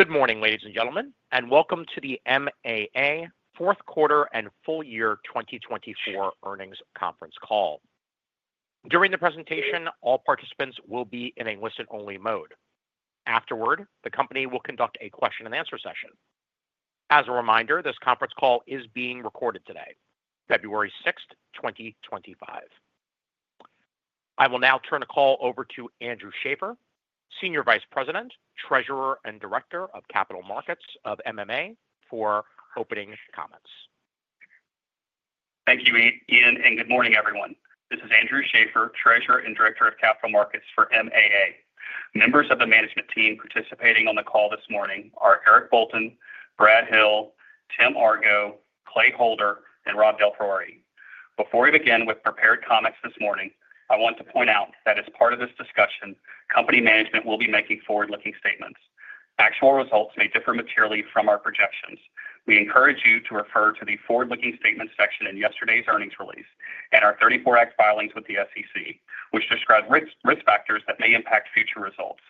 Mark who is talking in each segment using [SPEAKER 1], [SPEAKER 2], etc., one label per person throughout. [SPEAKER 1] Good morning, ladies and gentlemen, and welcome to the MAA Fourth Quarter and Full Year 2024 Earnings Conference Call. During the presentation, all participants will be in a listen-only mode. Afterward, the company will conduct a question-and-answer session. As a reminder, this conference call is being recorded today, February 6th, 2025. I will now turn the call over to Andrew Schaeffer, Senior Vice President, Treasurer and Director of Capital Markets of MAA, for opening comments.
[SPEAKER 2] Thank you, Ian, and good morning, everyone. This is Andrew Schaeffer, Treasurer and Director of Capital Markets for MAA. Members of the management team participating on the call this morning are Eric Bolton, Brad Hill, Tim Argo, Clay Holder, and Rob DelPriore. Before we begin with prepared comments this morning, I want to point out that as part of this discussion, company management will be making forward-looking statements. Actual results may differ materially from our projections. We encourage you to refer to the forward-looking statements section in yesterday's earnings release and our 34 Act filings with the SEC, which describe risk factors that may impact future results.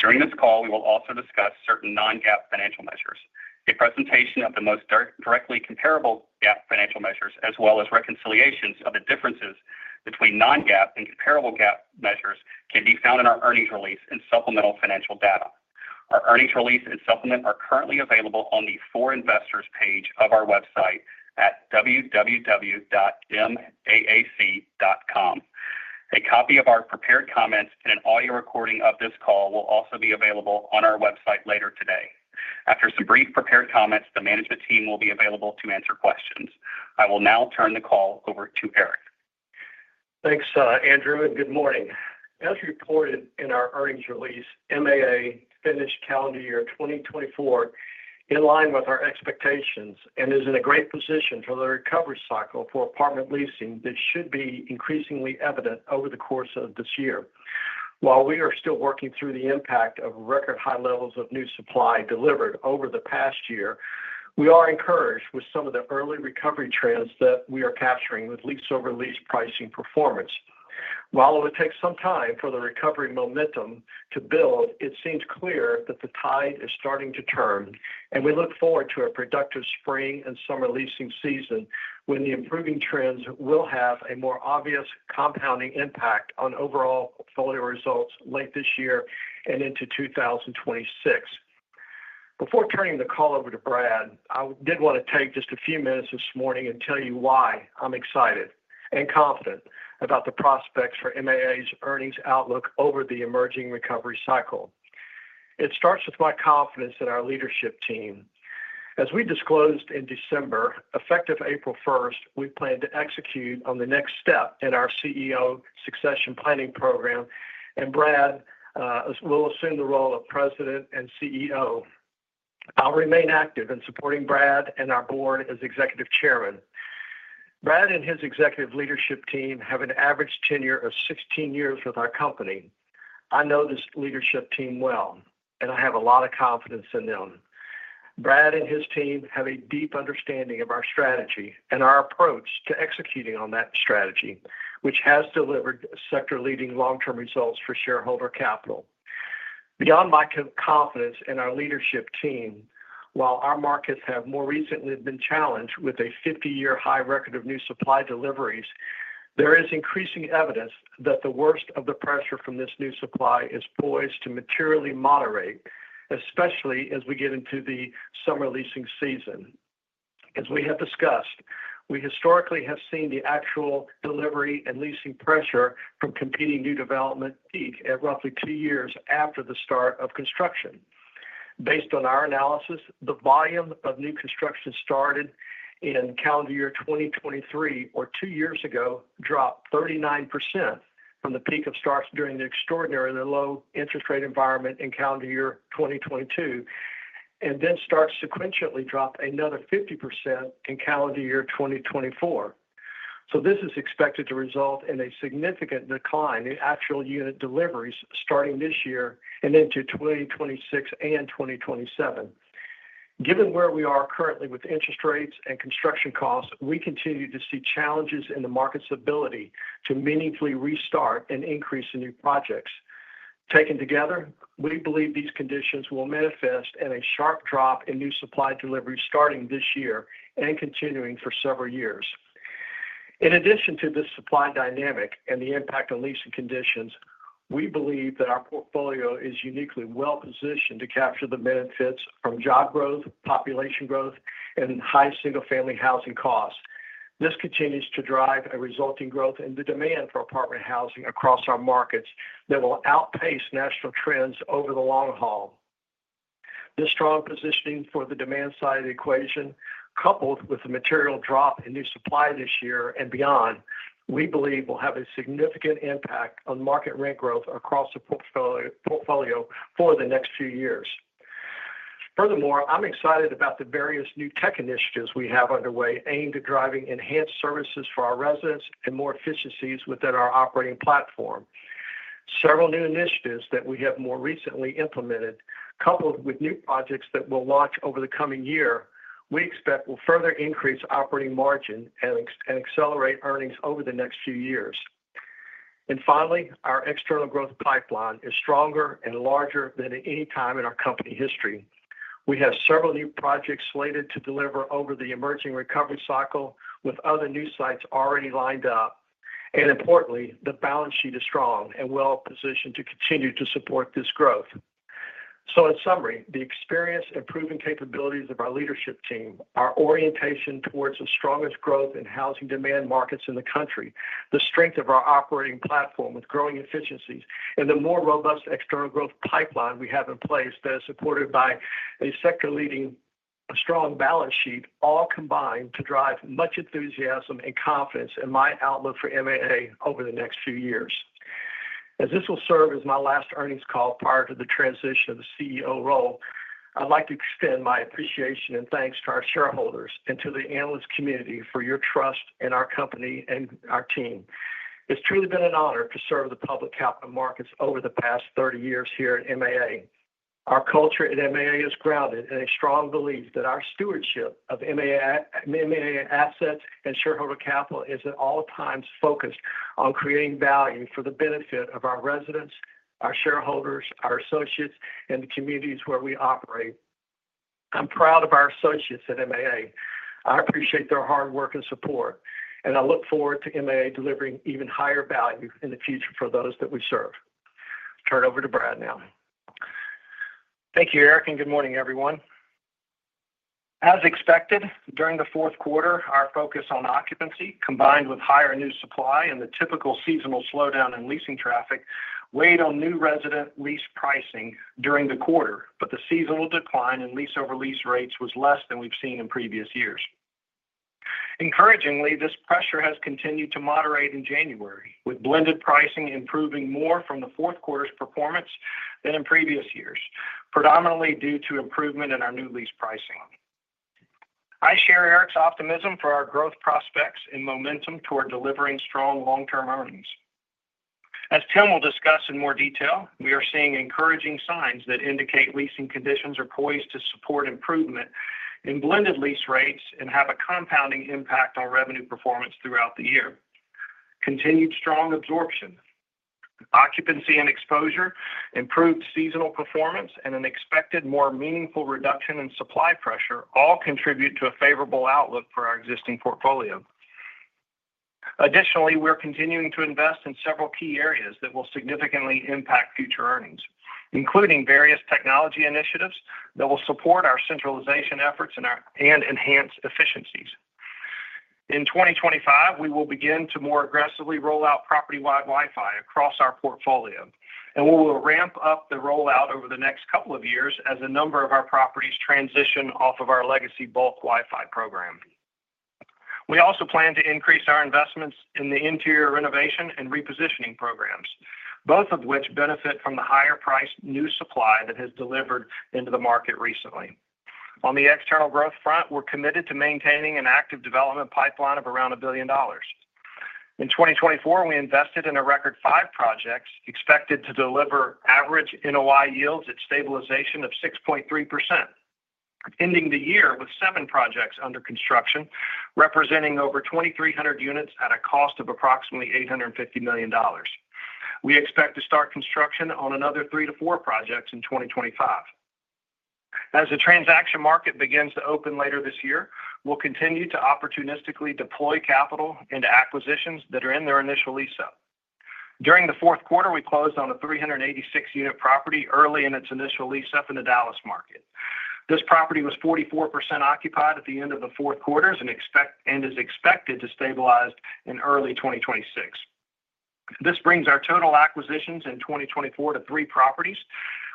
[SPEAKER 2] During this call, we will also discuss certain non-GAAP financial measures. A presentation of the most directly comparable GAAP financial measures, as well as reconciliations of the differences between non-GAAP and comparable GAAP measures, can be found in our earnings release and supplemental financial data. Our earnings release and supplement are currently available on the For Investors page of our website at www.maac.com. A copy of our prepared comments and an audio recording of this call will also be available on our website later today. After some brief prepared comments, the management team will be available to answer questions. I will now turn the call over to Eric.
[SPEAKER 3] Thanks, Andrew, and good morning. As reported in our earnings release, MAA finished calendar year 2024 in line with our expectations and is in a great position for the recovery cycle for apartment leasing that should be increasingly evident over the course of this year. While we are still working through the impact of record high levels of new supply delivered over the past year, we are encouraged with some of the early recovery trends that we are capturing with lease-over-lease pricing performance. While it will take some time for the recovery momentum to build, it seems clear that the tide is starting to turn, and we look forward to a productive spring and summer leasing season when the improving trends will have a more obvious compounding impact on overall portfolio results late this year and into 2026. Before turning the call over to Brad, I did want to take just a few minutes this morning and tell you why I'm excited and confident about the prospects for MAA's earnings outlook over the emerging recovery cycle. It starts with my confidence in our leadership team. As we disclosed in December, effective April 1st, we plan to execute on the next step in our CEO succession planning program, and Brad will assume the role of President and CEO. I'll remain active in supporting Brad and our board as Executive Chairman. Brad and his executive leadership team have an average tenure of 16 years with our company. I know this leadership team well, and I have a lot of confidence in them. Brad and his team have a deep understanding of our strategy and our approach to executing on that strategy, which has delivered sector-leading long-term results for shareholder capital. Beyond my confidence in our leadership team, while our markets have more recently been challenged with a 50-year high record of new supply deliveries, there is increasing evidence that the worst of the pressure from this new supply is poised to materially moderate, especially as we get into the summer leasing season. As we have discussed, we historically have seen the actual delivery and leasing pressure from competing new development peak at roughly two years after the start of construction. Based on our analysis, the volume of new construction started in calendar year 2023, or two years ago, dropped 39% from the peak of starts during the extraordinary low interest rate environment in calendar year 2022, and then starts sequentially dropped another 50% in calendar year 2024. So this is expected to result in a significant decline in actual unit deliveries starting this year and into 2026 and 2027. Given where we are currently with interest rates and construction costs, we continue to see challenges in the market's ability to meaningfully restart and increase in new projects. Taken together, we believe these conditions will manifest in a sharp drop in new supply deliveries starting this year and continuing for several years. In addition to this supply dynamic and the impact on leasing conditions, we believe that our portfolio is uniquely well-positioned to capture the benefits from job growth, population growth, and high single-family housing costs. This continues to drive a resulting growth in the demand for apartment housing across our markets that will outpace national trends over the long haul. This strong positioning for the demand side of the equation, coupled with the material drop in new supply this year and beyond, we believe will have a significant impact on market rent growth across the portfolio for the next few years. Furthermore, I'm excited about the various new tech initiatives we have underway aimed at driving enhanced services for our residents and more efficiencies within our operating platform. Several new initiatives that we have more recently implemented, coupled with new projects that we'll launch over the coming year, we expect will further increase operating margin and accelerate earnings over the next few years. And finally, our external growth pipeline is stronger and larger than at any time in our company history. We have several new projects slated to deliver over the emerging recovery cycle with other new sites already lined up. Importantly, the balance sheet is strong and well-positioned to continue to support this growth. In summary, the experience and proven capabilities of our leadership team, our orientation towards the strongest growth in housing demand markets in the country, the strength of our operating platform with growing efficiencies, and the more robust external growth pipeline we have in place that is supported by a sector-leading strong balance sheet, all combined to drive much enthusiasm and confidence in my outlook for MAA over the next few years. As this will serve as my last earnings call prior to the transition of the CEO role, I'd like to extend my appreciation and thanks to our shareholders and to the analyst community for your trust in our company and our team. It's truly been an honor to serve the public capital markets over the past 30 years here at MAA. Our culture at MAA is grounded in a strong belief that our stewardship of MAA assets and shareholder capital is at all times focused on creating value for the benefit of our residents, our shareholders, our associates, and the communities where we operate. I'm proud of our associates at MAA. I appreciate their hard work and support, and I look forward to MAA delivering even higher value in the future for those that we serve. Turn it over to Brad now.
[SPEAKER 4] Thank you, Eric, and good morning, everyone. As expected, during the fourth quarter, our focus on occupancy, combined with higher new supply and the typical seasonal slowdown in leasing traffic, weighed on new resident lease pricing during the quarter, but the seasonal decline in lease-over-lease rates was less than we've seen in previous years.
[SPEAKER 5] Encouragingly, this pressure has continued to moderate in January, with blended pricing improving more from the fourth quarter's performance than in previous years, predominantly due to improvement in our new lease pricing. I share Eric's optimism for our growth prospects and momentum toward delivering strong long-term earnings. As Tim will discuss in more detail, we are seeing encouraging signs that indicate leasing conditions are poised to support improvement in blended lease rates and have a compounding impact on revenue performance throughout the year. Continued strong absorption, occupancy and exposure, improved seasonal performance, and an expected more meaningful reduction in supply pressure all contribute to a favorable outlook for our existing portfolio. Additionally, we're continuing to invest in several key areas that will significantly impact future earnings, including various technology initiatives that will support our centralization efforts and enhance efficiencies. In 2025, we will begin to more aggressively roll out property-wide Wi-Fi across our portfolio, and we will ramp up the rollout over the next couple of years as a number of our properties transition off of our legacy bulk Wi-Fi program. We also plan to increase our investments in the interior renovation and repositioning programs, both of which benefit from the higher-priced new supply that has delivered into the market recently. On the external growth front, we're committed to maintaining an active development pipeline of around $1 billion. In 2024, we invested in a record five projects expected to deliver average NOI yields at stabilization of 6.3%, ending the year with seven projects under construction representing over 2,300 units at a cost of approximately $850 million. We expect to start construction on another three to four projects in 2025. As the transaction market begins to open later this year, we'll continue to opportunistically deploy capital into acquisitions that are in their initial lease-up. During the fourth quarter, we closed on a 386-unit property early in its initial lease-up in the Dallas market. This property was 44% occupied at the end of the fourth quarter and is expected to stabilize in early 2026. This brings our total acquisitions in 2024 to three properties,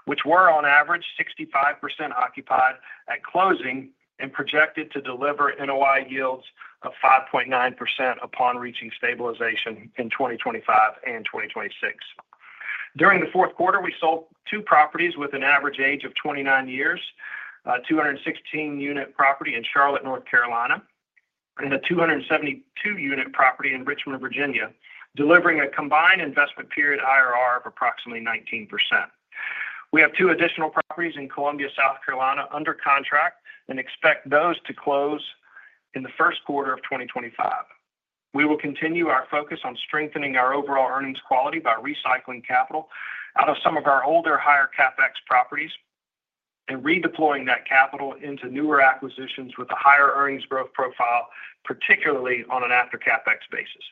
[SPEAKER 5] which were on average 65% occupied at closing and projected to deliver NOI yields of 5.9% upon reaching stabilization in 2025 and 2026. During the fourth quarter, we sold two properties with an average age of 29 years, a 216-unit property in Charlotte, North Carolina, and a 272-unit property in Richmond, Virginia, delivering a combined investment period IRR of approximately 19%.
[SPEAKER 4] We have two additional properties in Columbia, South Carolina, under contract and expect those to close in the first quarter of 2025. We will continue our focus on strengthening our overall earnings quality by recycling capital out of some of our older higher CapEx properties and redeploying that capital into newer acquisitions with a higher earnings growth profile, particularly on an after CapEx basis.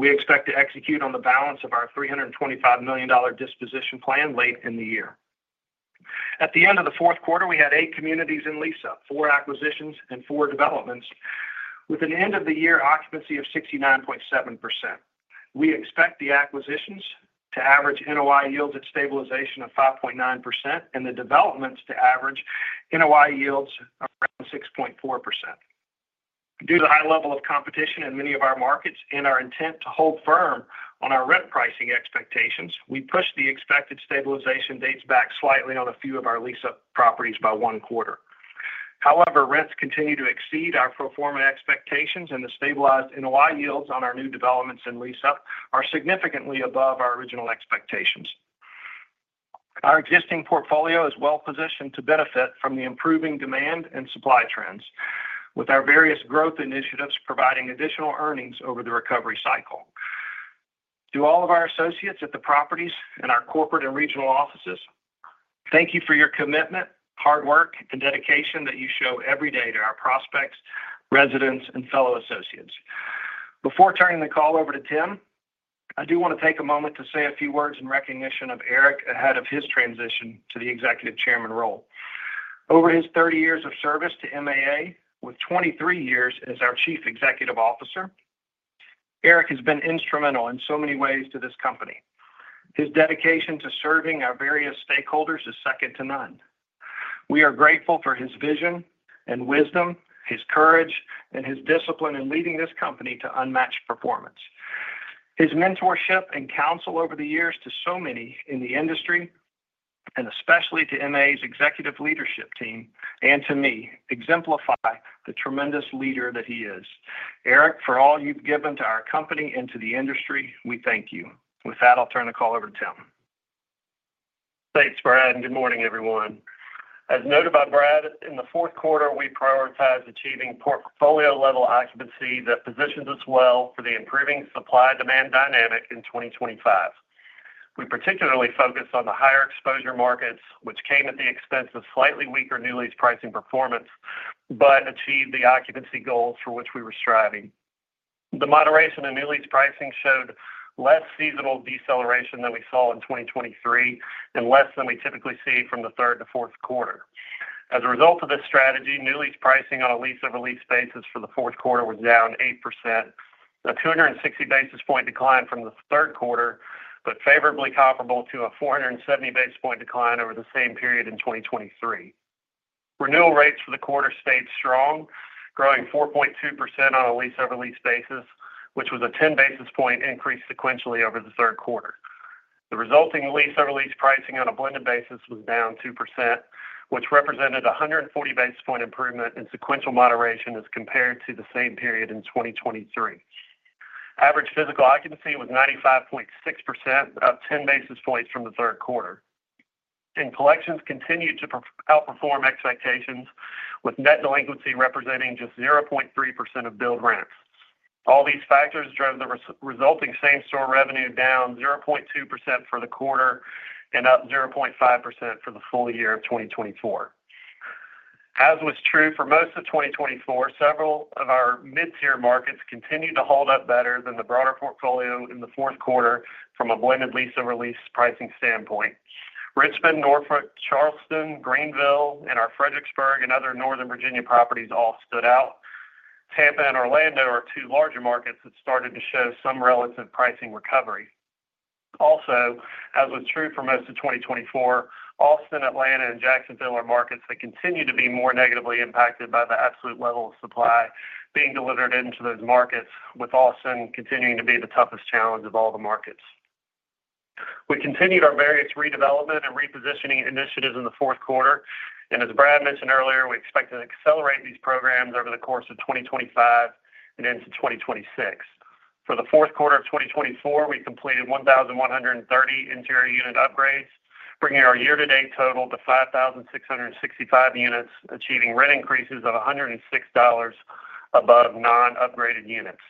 [SPEAKER 4] We expect to execute on the balance of our $325 million disposition plan late in the year. At the end of the fourth quarter, we had eight communities in lease-up, four acquisitions, and four developments, with an end-of-the-year occupancy of 69.7%. We expect the acquisitions to average NOI yields at stabilization of 5.9% and the developments to average NOI yields around 6.4%.
[SPEAKER 5] Due to the high level of competition in many of our markets and our intent to hold firm on our rent pricing expectations, we pushed the expected stabilization dates back slightly on a few of our lease-up properties by one quarter. However, rents continue to exceed our pro forma expectations, and the stabilized NOI yields on our new developments in lease-up are significantly above our original expectations. Our existing portfolio is well-positioned to benefit from the improving demand and supply trends, with our various growth initiatives providing additional earnings over the recovery cycle. To all of our associates at the properties and our corporate and regional offices, thank you for your commitment, hard work, and dedication that you show every day to our prospects, residents, and fellow associates. Before turning the call over to Tim, I do want to take a moment to say a few words in recognition of Eric ahead of his transition to the Executive Chairman role. Over his 30 years of service to MAA, with 23 years as our Chief Executive Officer, Eric has been instrumental in so many ways to this company. His dedication to serving our various stakeholders is second to none. We are grateful for his vision and wisdom, his courage, and his discipline in leading this company to unmatched performance. His mentorship and counsel over the years to so many in the industry, and especially to MAA's Executive Leadership Team and to me, exemplify the tremendous leader that he is. Eric, for all you've given to our company and to the industry, we thank you. With that, I'll turn the call over to Tim.
[SPEAKER 6] Thanks, Brad. Good morning, everyone. As noted by Brad, in the fourth quarter, we prioritized achieving portfolio-level occupancy that positions us well for the improving supply-demand dynamic in 2025. We particularly focused on the higher exposure markets, which came at the expense of slightly weaker new lease pricing performance, but achieved the occupancy goals for which we were striving. The moderation in new lease pricing showed less seasonal deceleration than we saw in 2023 and less than we typically see from the third to fourth quarter. As a result of this strategy, new lease pricing on a lease-over-lease basis for the fourth quarter was down 8%, a 260 basis points decline from the third quarter, but favorably comparable to a 470 basis points decline over the same period in 2023. Renewal rates for the quarter stayed strong, growing 4.2% on a lease-over-lease basis, which was a 10 basis points increase sequentially over the third quarter. The resulting lease-over-lease pricing on a blended basis was down 2%, which represented a 140 basis points improvement in sequential moderation as compared to the same period in 2023. Average physical occupancy was 95.6%, up 10 basis points from the third quarter. Collections continued to outperform expectations, with net delinquency representing just 0.3% of billed rents. All these factors drove the resulting same-store revenue down 0.2% for the quarter and up 0.5% for the full year of 2024. As was true for most of 2024, several of our mid-tier markets continued to hold up better than the broader portfolio in the fourth quarter from a blended lease-over-lease pricing standpoint. Richmond, Norfolk, Charleston, Greenville, and our Fredericksburg and other Northern Virginia properties all stood out. Tampa and Orlando are two larger markets that started to show some relative pricing recovery. Also, as was true for most of 2024, Austin, Atlanta, and Jacksonville are markets that continue to be more negatively impacted by the absolute level of supply being delivered into those markets, with Austin continuing to be the toughest challenge of all the markets. We continued our various redevelopment and repositioning initiatives in the fourth quarter. And as Brad mentioned earlier, we expect to accelerate these programs over the course of 2025 and into 2026. For the fourth quarter of 2024, we completed 1,130 interior unit upgrades, bringing our year-to-date total to 5,665 units, achieving rent increases of $106 above non-upgraded units.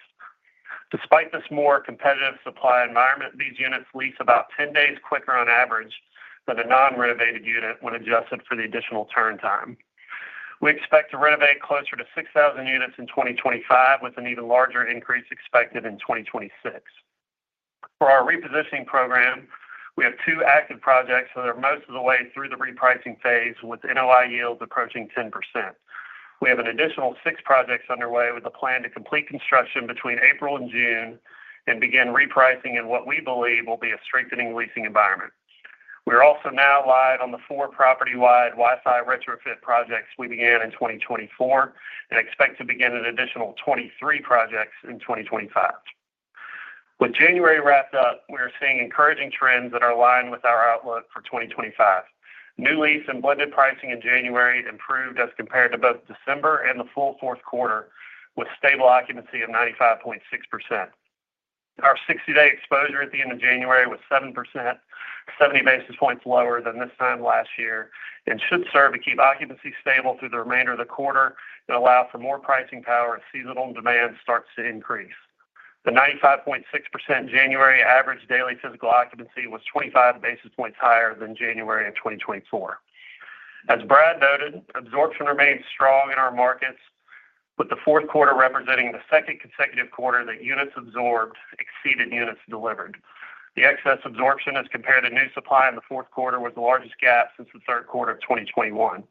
[SPEAKER 6] Despite this more competitive supply environment, these units lease about 10 days quicker on average than a non-renovated unit when adjusted for the additional turn time. We expect to renovate closer to 6,000 units in 2025, with an even larger increase expected in 2026. For our repositioning program, we have two active projects that are most of the way through the repricing phase, with NOI yields approaching 10%. We have an additional six projects underway with a plan to complete construction between April and June and begin repricing in what we believe will be a strengthening leasing environment. We are also now live on the four property-wide Wi-Fi retrofit projects we began in 2024 and expect to begin an additional 23 projects in 2025. With January wrapped up, we are seeing encouraging trends that are aligned with our outlook for 2025. New lease and blended pricing in January improved as compared to both December and the full fourth quarter, with stable occupancy of 95.6%. Our 60-day exposure at the end of January was 7%, 70 basis points lower than this time last year, and should serve to keep occupancy stable through the remainder of the quarter and allow for more pricing power as seasonal demand starts to increase. The 95.6% January average daily physical occupancy was 25 basis points higher than January of 2024. As Brad noted, absorption remained strong in our markets, with the fourth quarter representing the second consecutive quarter that units absorbed exceeded units delivered. The excess absorption as compared to new supply in the fourth quarter was the largest gap since the third quarter of 2021.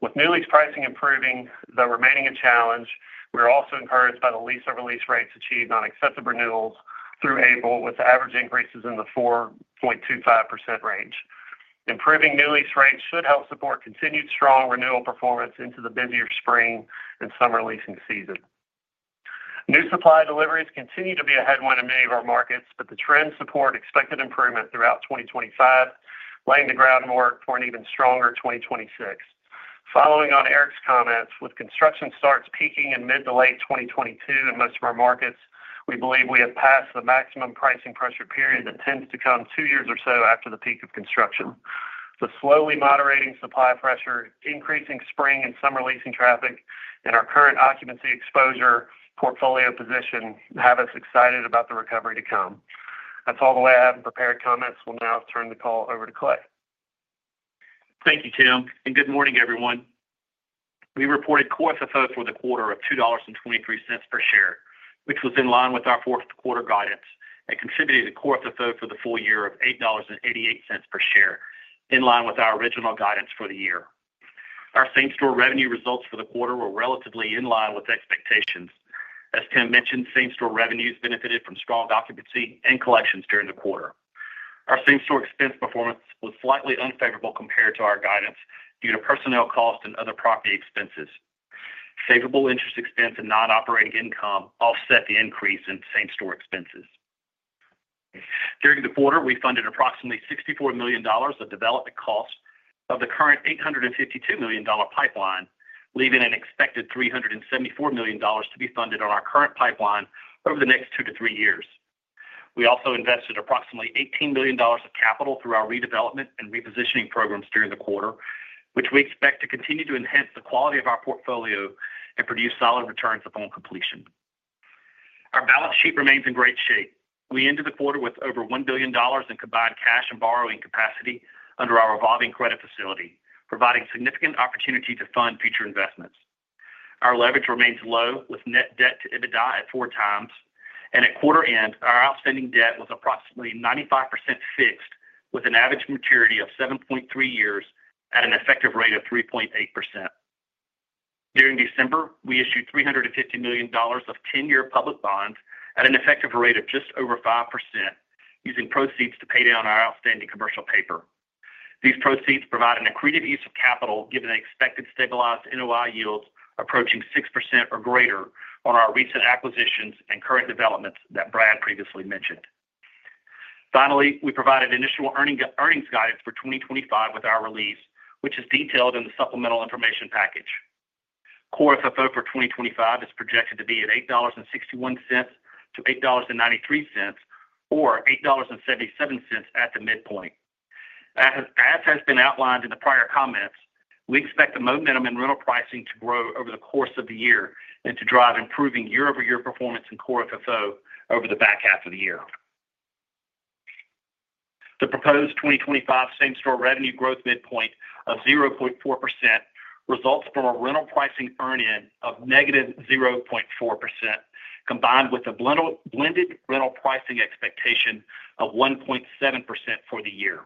[SPEAKER 6] With new lease pricing improving, though remaining a challenge, we are also encouraged by the lease-over-lease rates achieved on accepted renewals through April, with average increases in the 4.25% range. Improving new lease rates should help support continued strong renewal performance into the busier spring and summer leasing season. New supply deliveries continue to be a headwind in many of our markets, but the trends support expected improvement throughout 2025, laying the groundwork for an even stronger 2026. Following on Eric's comments, with construction starts peaking in mid to late 2022 in most of our markets, we believe we have passed the maximum pricing pressure period that tends to come two years or so after the peak of construction. The slowly moderating supply pressure, increasing spring and summer leasing traffic, and our current occupancy exposure portfolio position have us excited about the recovery to come. That's all I have by way of prepared comments. We'll now turn the call over to Clay.
[SPEAKER 7] Thank you, Tim. And good morning, everyone. We reported Core FFO for the quarter of $2.23 per share, which was in line with our fourth quarter guidance and contributed to Core FFO for the full year of $8.88 per share, in line with our original guidance for the year. Our Same-store revenue results for the quarter were relatively in line with expectations. As Tim mentioned, Same-store revenues benefited from strong occupancy and collections during the quarter. Our Same-store expense performance was slightly unfavorable compared to our guidance due to personnel costs and other property expenses. Favorable interest expense and non-operating income offset the increase in Same-store expenses. During the quarter, we funded approximately $64 million of development costs of the current $852 million pipeline, leaving an expected $374 million to be funded on our current pipeline over the next two to three years. We also invested approximately $18 million of capital through our redevelopment and repositioning programs during the quarter, which we expect to continue to enhance the quality of our portfolio and produce solid returns upon completion. Our balance sheet remains in great shape. We ended the quarter with over $1 billion in combined cash and borrowing capacity under our revolving credit facility, providing significant opportunity to fund future investments. Our leverage remains low, with net debt to EBITDA at four times. And at quarter end, our outstanding debt was approximately 95% fixed, with an average maturity of 7.3 years at an effective rate of 3.8%. During December, we issued $350 million of 10-year public bonds at an effective rate of just over 5%, using proceeds to pay down our outstanding commercial paper. These proceeds provide an accretive use of capital, given the expected stabilized NOI yields approaching 6% or greater on our recent acquisitions and current developments that Brad previously mentioned. Finally, we provided initial earnings guidance for 2025 with our release, which is detailed in the supplemental information package. Core FFO for 2025 is projected to be at $8.61-$8.93 or $8.77 at the midpoint. As has been outlined in the prior comments, we expect the momentum in rental pricing to grow over the course of the year and to drive improving year-over-year performance in core FFO over the back half of the year. The proposed 2025 same-store revenue growth midpoint of 0.4% results from a rental pricing earn-in of -ve 0.4%, combined with a blended rental pricing expectation of 1.7% for the year.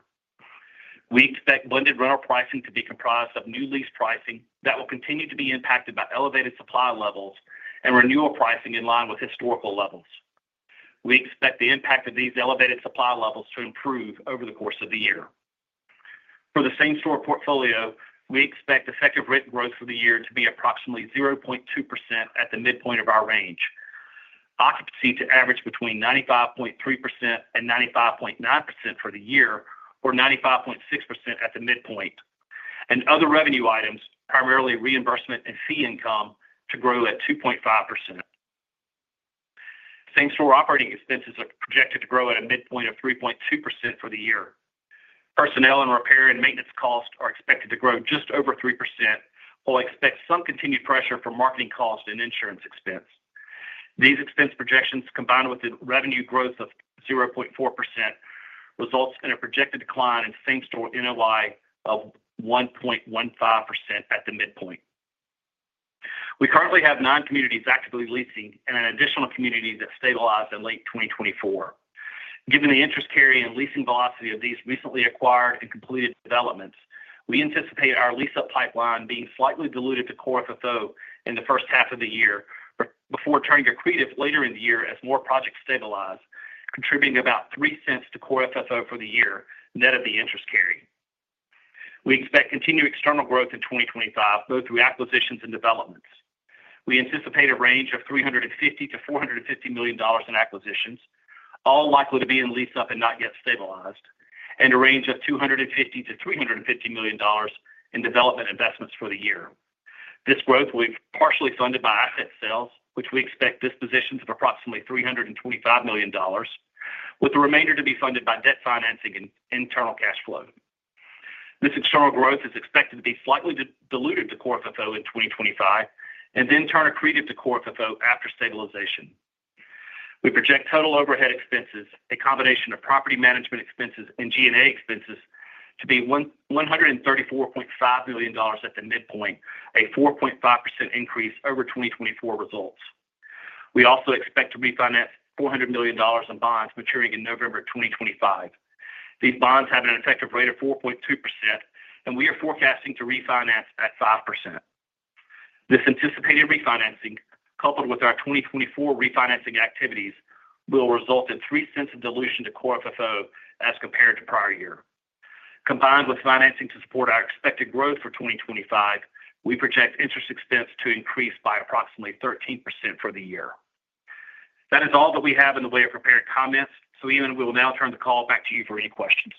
[SPEAKER 7] We expect blended rental pricing to be comprised of new lease pricing that will continue to be impacted by elevated supply levels and renewal pricing in line with historical levels. We expect the impact of these elevated supply levels to improve over the course of the year. For the same-store portfolio, we expect effective rent growth for the year to be approximately 0.2% at the midpoint of our range, occupancy to average between 95.3% and 95.9% for the year, or 95.6% at the midpoint, and other revenue items, primarily reimbursement and fee income, to grow at 2.5%. Same-store operating expenses are projected to grow at a midpoint of 3.2% for the year. Personnel and repair and maintenance costs are expected to grow just over 3%. We'll expect some continued pressure for marketing costs and insurance expense. These expense projections, combined with the revenue growth of 0.4%, result in a projected decline in same-store NOI of 1.15% at the midpoint. We currently have nine communities actively leasing and an additional community that stabilized in late 2024. Given the interest carry and leasing velocity of these recently acquired and completed developments, we anticipate our lease-up pipeline being slightly diluted to core FFO in the first half of the year before turning accretive later in the year as more projects stabilize, contributing about $0.03 to core FFO for the year net of the interest carry. We expect continued external growth in 2025, both through acquisitions and developments. We anticipate a range of $350-$450 million in acquisitions, all likely to be in lease-up and not yet stabilized, and a range of $250-$350 million in development investments for the year. This growth will be partially funded by asset sales, which we expect dispositions of approximately $325 million, with the remainder to be funded by debt financing and internal cash flow. This external growth is expected to be slightly diluted to core FFO in 2025 and then turn accretive to core FFO after stabilization. We project total overhead expenses, a combination of property management expenses and G&A expenses, to be $134.5 million at the midpoint, a 4.5% increase over 2024 results. We also expect to refinance $400 million in bonds maturing in November 2025. These bonds have an effective rate of 4.2%, and we are forecasting to refinance at 5%. This anticipated refinancing, coupled with our 2024 refinancing activities, will result in $0.03 of dilution to core FFO as compared to prior year. Combined with financing to support our expected growth for 2025, we project interest expense to increase by approximately 13% for the year. That is all that we have in the way of prepared comments, so Ian, we will now turn the call back to you for any questions.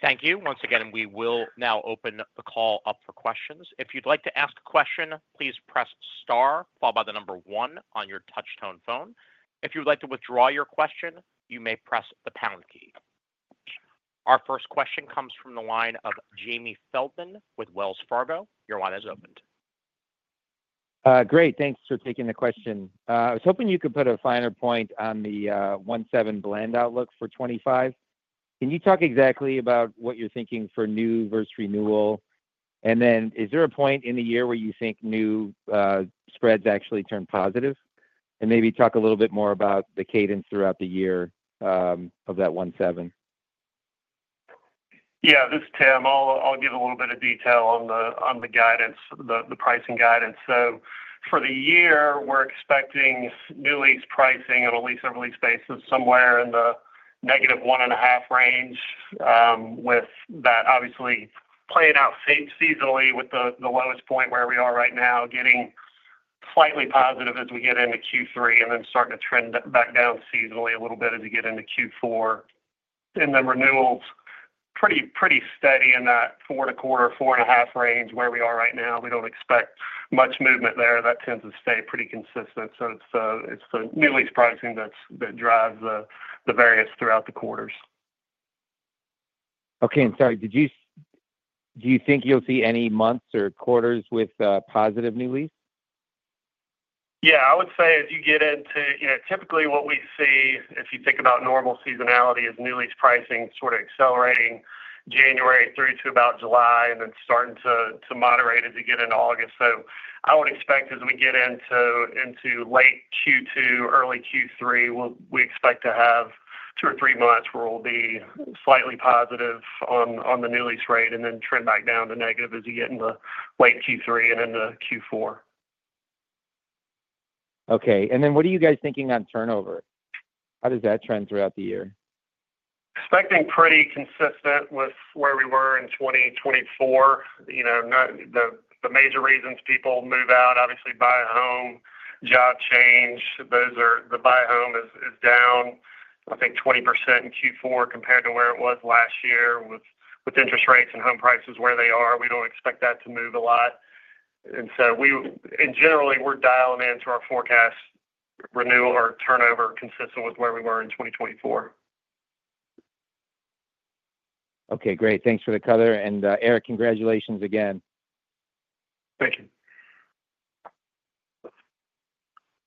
[SPEAKER 1] Thank you. Once again, we will now open the call up for questions. If you'd like to ask a question, please press star followed by the number one on your touch-tone phone. If you would like to withdraw your question, you may press the pound key. Our first question comes from the line of Jamie Feldman with Wells Fargo. Your line is open.
[SPEAKER 8] Great. Thanks for taking the question. I was hoping you could put a finer point on the 1.7 blend outlook for '25. Can you talk exactly about what you're thinking for new vs renewal? And then is there a point in the year where you think new spreads actually turn positive? And maybe talk a little bit more about the cadence throughout the year of that 1.7.
[SPEAKER 6] Yeah, this is Tim. I'll give a little bit of detail on the guidance, the pricing guidance. So for the year, we're expecting new lease pricing on a lease-over-lease basis somewhere in the -1.5% range, with that obviously playing out seasonally with the lowest point where we are right now, getting slightly positive as we get into Q3 and then starting to trend back down seasonally a little bit as you get into Q4. And then renewals, pretty steady in that 4%-4.5% range where we are right now. We don't expect much movement there. That tends to stay pretty consistent. So it's the new lease pricing that drives the variance throughout the quarters.
[SPEAKER 8] Okay. And sorry, do you think you'll see any months or quarters with positive new lease?
[SPEAKER 6] Yeah. I would say as you get into, typically what we see, if you think about normal seasonality, is new lease pricing sort of accelerating January through to about July and then starting to moderate as you get into August. So I would expect as we get into late Q2, early Q3, we expect to have two or three months where we'll be slightly positive on the new lease rate and then trend back down to negative as you get into late Q3 and into Q4.
[SPEAKER 8] Okay. And then what are you guys thinking on turnover? How does that trend throughout the year? Expecting pretty consistent with where we were in 2024.
[SPEAKER 6] The major reasons people move out, obviously buy a home, job change, the buy a home is down, I think, 20% in Q4 compared to where it was last year with interest rates and home prices where they are. We don't expect that to move a lot. And so generally, we're dialing into our forecast renewal or turnover consistent with where we were in 2024.
[SPEAKER 8] Okay. Great. Thanks for the cover. And Eric, congratulations again. Thank you.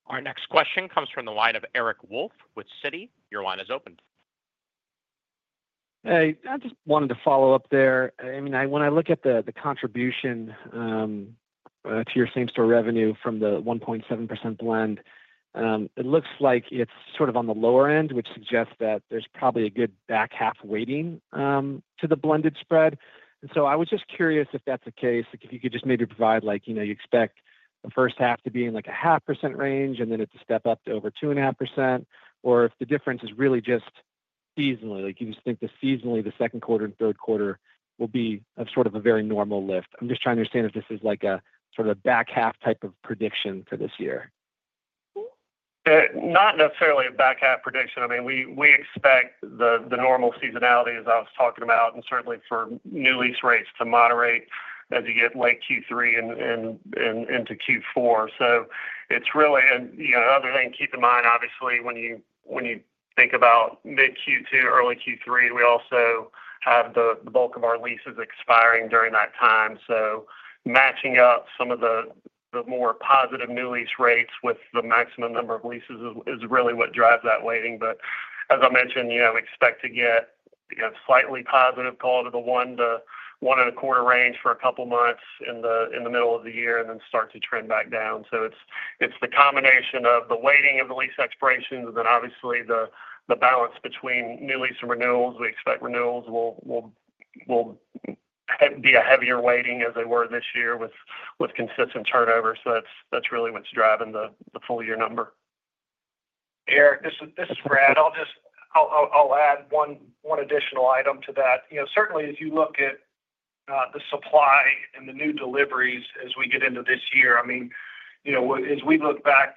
[SPEAKER 1] Our next question comes from the line of Eric Wolfe with Citi. Your line is open.
[SPEAKER 9] Hey, I just wanted to follow up there. I mean, when I look at the contribution to your same-store revenue from the 1.7% blend, it looks like it's sort of on the lower end, which suggests that there's probably a good back half waiting to the blended spread. I was just curious if that's the case, if you could just maybe provide you expect the first half to be in a 0.5% range and then it to step up to over 2.5%, or if the difference is really just seasonally. You just think the seasonally, the second quarter and third quarter will be sort of a very normal lift. I'm just trying to understand if this is sort of a back half type of prediction for this year.
[SPEAKER 6] Not necessarily a back half prediction. I mean, we expect the normal seasonality, as I was talking about, and certainly for new lease rates to moderate as you get late Q3 into Q4. So it's really, and other than keep in mind, obviously, when you think about mid-Q2, early Q3, we also have the bulk of our leases expiring during that time. So matching up some of the more positive new lease rates with the maximum number of leases is really what drives that weighting. But as I mentioned, we expect to get a slightly positive growth to the 1%-1.25% range for a couple of months in the middle of the year and then start to trend back down. So it's the combination of the weighting of the lease expirations and then obviously the balance between new lease and renewals. We expect renewals will be a heavier weighting as they were this year with consistent turnover. So that's really what's driving the full year number.
[SPEAKER 5] Eric, this is Brad. I'll add one additional item to that. Certainly, as you look at the supply and the new deliveries as we get into this year, I mean, as we look back,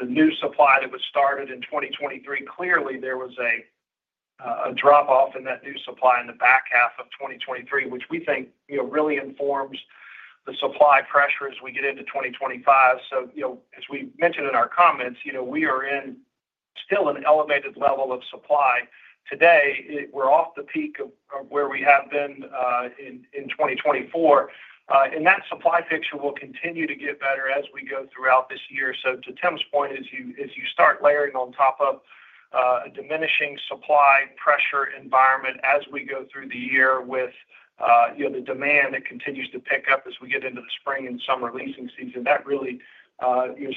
[SPEAKER 5] the new supply that was started in 2023, clearly there was a drop-off in that new supply in the back half of 2023, which we think really informs the supply pressure as we get into 2025, so as we mentioned in our comments, we are still in an elevated level of supply. Today, we're off the peak of where we have been in 2024, and that supply picture will continue to get better as we go throughout this year. So to Tim's point, as you start layering on top of a diminishing supply pressure environment as we go through the year with the demand that continues to pick up as we get into the spring and summer leasing season, that really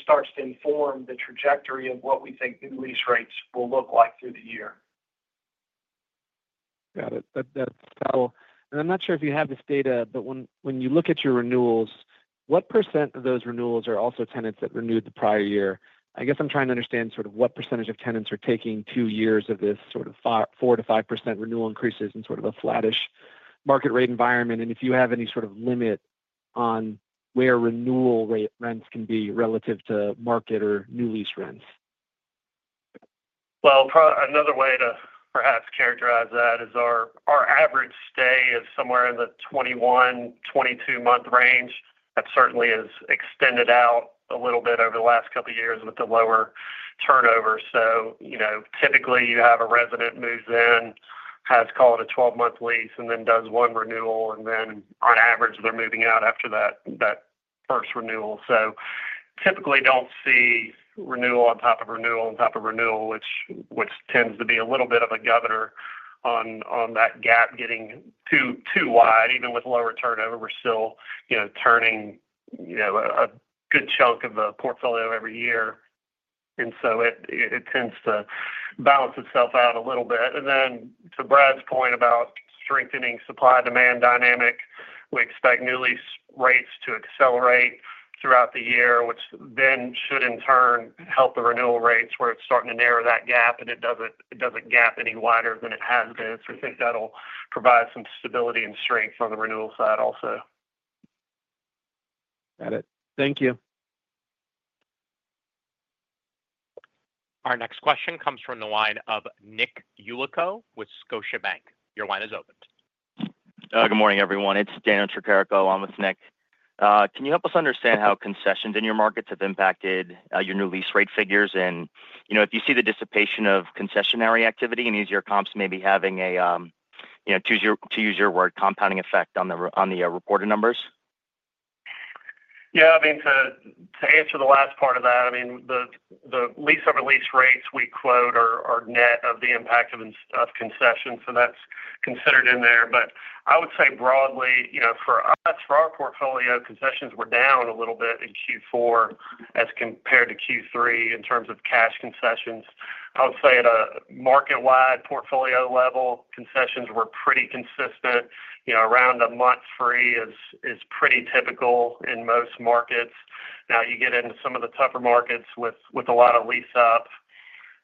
[SPEAKER 5] starts to inform the trajectory of what we think new lease rates will look like through the year.
[SPEAKER 9] Got it. That's helpful, and I'm not sure if you have this data, but when you look at your renewals, what % of those renewals are also tenants that renewed the prior year? I guess I'm trying to understand sort of what % of tenants are taking two years of this sort of 4%-5% renewal increases in sort of a flattish market rate environment. And if you have any sort of limit on where renewal rents can be relative to market or new lease rents.
[SPEAKER 3] Another way to perhaps characterize that is our average stay is somewhere in the 21, 22-month range. That certainly has extended out a little bit over the last couple of years with the lower turnover. So typically, you have a resident moves in, has called a 12-month lease, and then does one renewal, and then on average, they're moving out after that first renewal. So typically, I don't see renewal on top of renewal on top of renewal, which tends to be a little bit of a governor on that gap getting too wide. Even with lower turnover, we're still turning a good chunk of the portfolio every year. And so it tends to balance itself out a little bit. And then to Brad's point about strengthening supply-demand dynamic, we expect new lease rates to accelerate throughout the year, which then should in turn help the renewal rates where it's starting to narrow that gap, and it doesn't gap any wider than it has been. So I think that'll provide some stability and strength on the renewal side also.
[SPEAKER 9] Got it. Thank you.
[SPEAKER 1] Our next question comes from the line of Nick Yulico with Scotiabank. Your line is open.
[SPEAKER 10] Good morning, everyone. It's Dan Tricarico. I'm with Nick. Can you help us understand how concessions in your markets have impacted your new lease rate figures? And if you see the dissipation of concessionary activity, any of your comps may be having a, to use your word, compounding effect on the reported numbers?
[SPEAKER 3] Yeah. I mean, to answer the last part of that, I mean, the lease-over-lease rates we quote are net of the impact of concessions, and that's considered in there. But I would say broadly, for us, for our portfolio, concessions were down a little bit in Q4 as compared to Q3 in terms of cash concessions. I would say at a market-wide portfolio level, concessions were pretty consistent. Around a month free is pretty typical in most markets. Now, you get into some of the tougher markets with a lot of lease-up,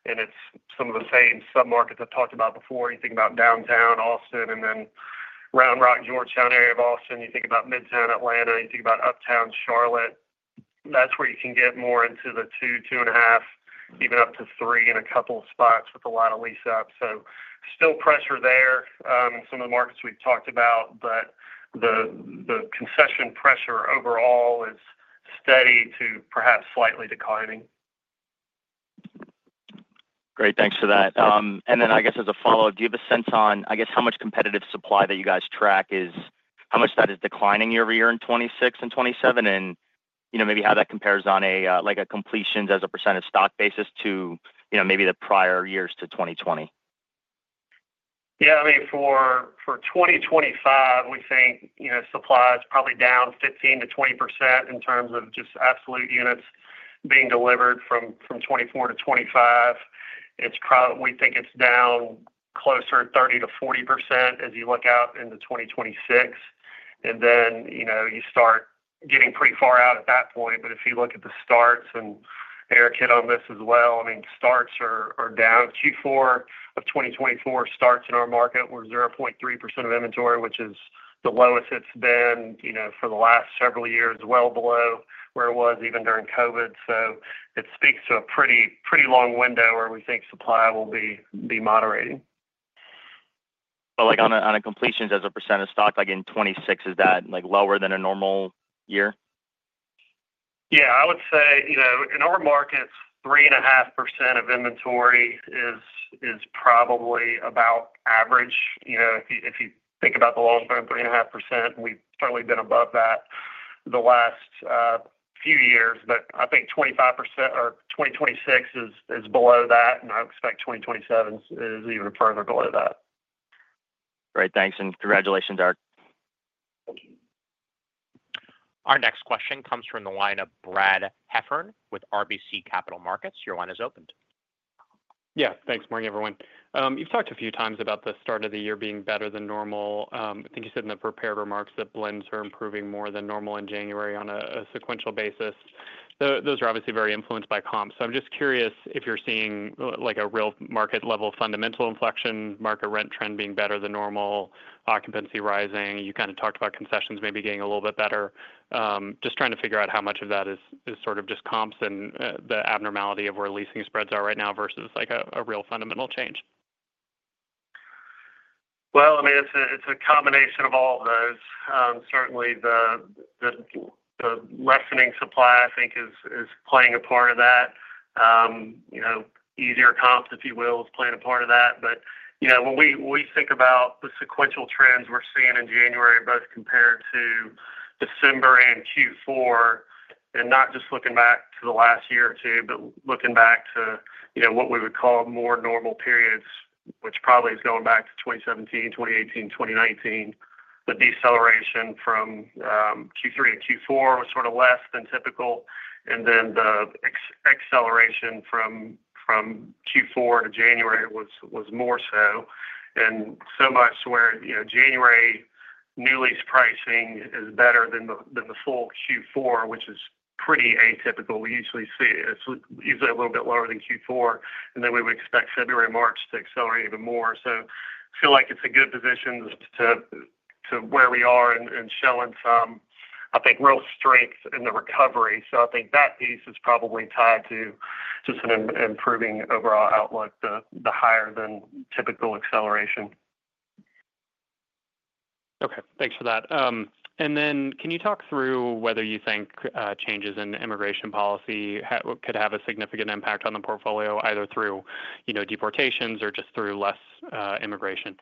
[SPEAKER 3] and it's some of the same sub-markets I've talked about before. You think about downtown Austin and then Round Rock, Georgetown area of Austin. You think about Midtown Atlanta. You think about Uptown Charlotte. That's where you can get more into the two, two and a half, even up to three in a couple of spots with a lot of lease-up. So still pressure there in some of the markets we've talked about, but the concession pressure overall is steady to perhaps slightly declining.
[SPEAKER 10] Great. Thanks for that. And then I guess as a follow-up, do you have a sense on, I guess, how much competitive supply that you guys track is how much that is declining year over year in 2026 and 2027, and maybe how that compares on a completions as a percentage stock basis to maybe the prior years to 2020?
[SPEAKER 3] Yeah. I mean, for 2025, we think supply is probably down 15%-20% in terms of just absolute units being delivered from 2024-2025. We think it's down closer to 30%-40% as you look out into 2026. And then you start getting pretty far out at that point. But if you look at the starts, and Eric hit on this as well. I mean, starts are down. Q4 of 2024 starts in our market were 0.3% of inventory, which is the lowest it's been for the last several years, well below where it was even during COVID. So it speaks to a pretty long window where we think supply will be moderating.
[SPEAKER 10] But on completions as a percentage of stock, like in 2026, is that lower than a normal year?
[SPEAKER 3] Yeah. I would say in our markets, 3.5% of inventory is probably about average. If you think about the long-term, 3.5%, we've certainly been above that the last few years. But I think 25% for 2026 is below that, and I expect 2027 is even further below that.
[SPEAKER 10] Great. Thanks. And congratulations, Eric. Thank you.
[SPEAKER 1] Our next question comes from the line of Brad Heffern with RBC Capital Markets. Your line is open.
[SPEAKER 4] Yeah. Thanks, good morning, everyone. You've talked a few times about the start of the year being better than normal. I think you said in the prepared remarks that blends are improving more than normal in January on a sequential basis. Those are obviously very influenced by comps. So I'm just curious if you're seeing a real market-level fundamental inflection, market rent trend being better than normal, occupancy rising. You kind of talked about concessions maybe getting a little bit better. Just trying to figure out how much of that is sort of just comps and the abnormality of where leasing spreads are right now vs a real fundamental change.
[SPEAKER 3] Well, I mean, it's a combination of all of those. Certainly, the lessening supply, I think, is playing a part of that. Easier comps, if you will, is playing a part of that. But when we think about the sequential trends we're seeing in January, both compared to December and Q4, and not just looking back to the last year or two, but looking back to what we would call more normal periods, which probably is going back to 2017, 2018, 2019, the deceleration from Q3 to Q4 was sort of less than typical, and then the acceleration from Q4 to January was more so. And so much where January new lease pricing is better than the full Q4, which is pretty atypical. We usually see it. It's usually a little bit lower than Q4. And then we would expect February and March to accelerate even more. So I feel like it's a good position to where we are and showing some, I think, real strength in the recovery. So I think that piece is probably tied to just an improving overall outlook, the higher than typical acceleration.
[SPEAKER 4] Okay. Thanks for that. And then can you talk through whether you think changes in immigration policy could have a significant impact on the portfolio either through deportations or just through less immigration?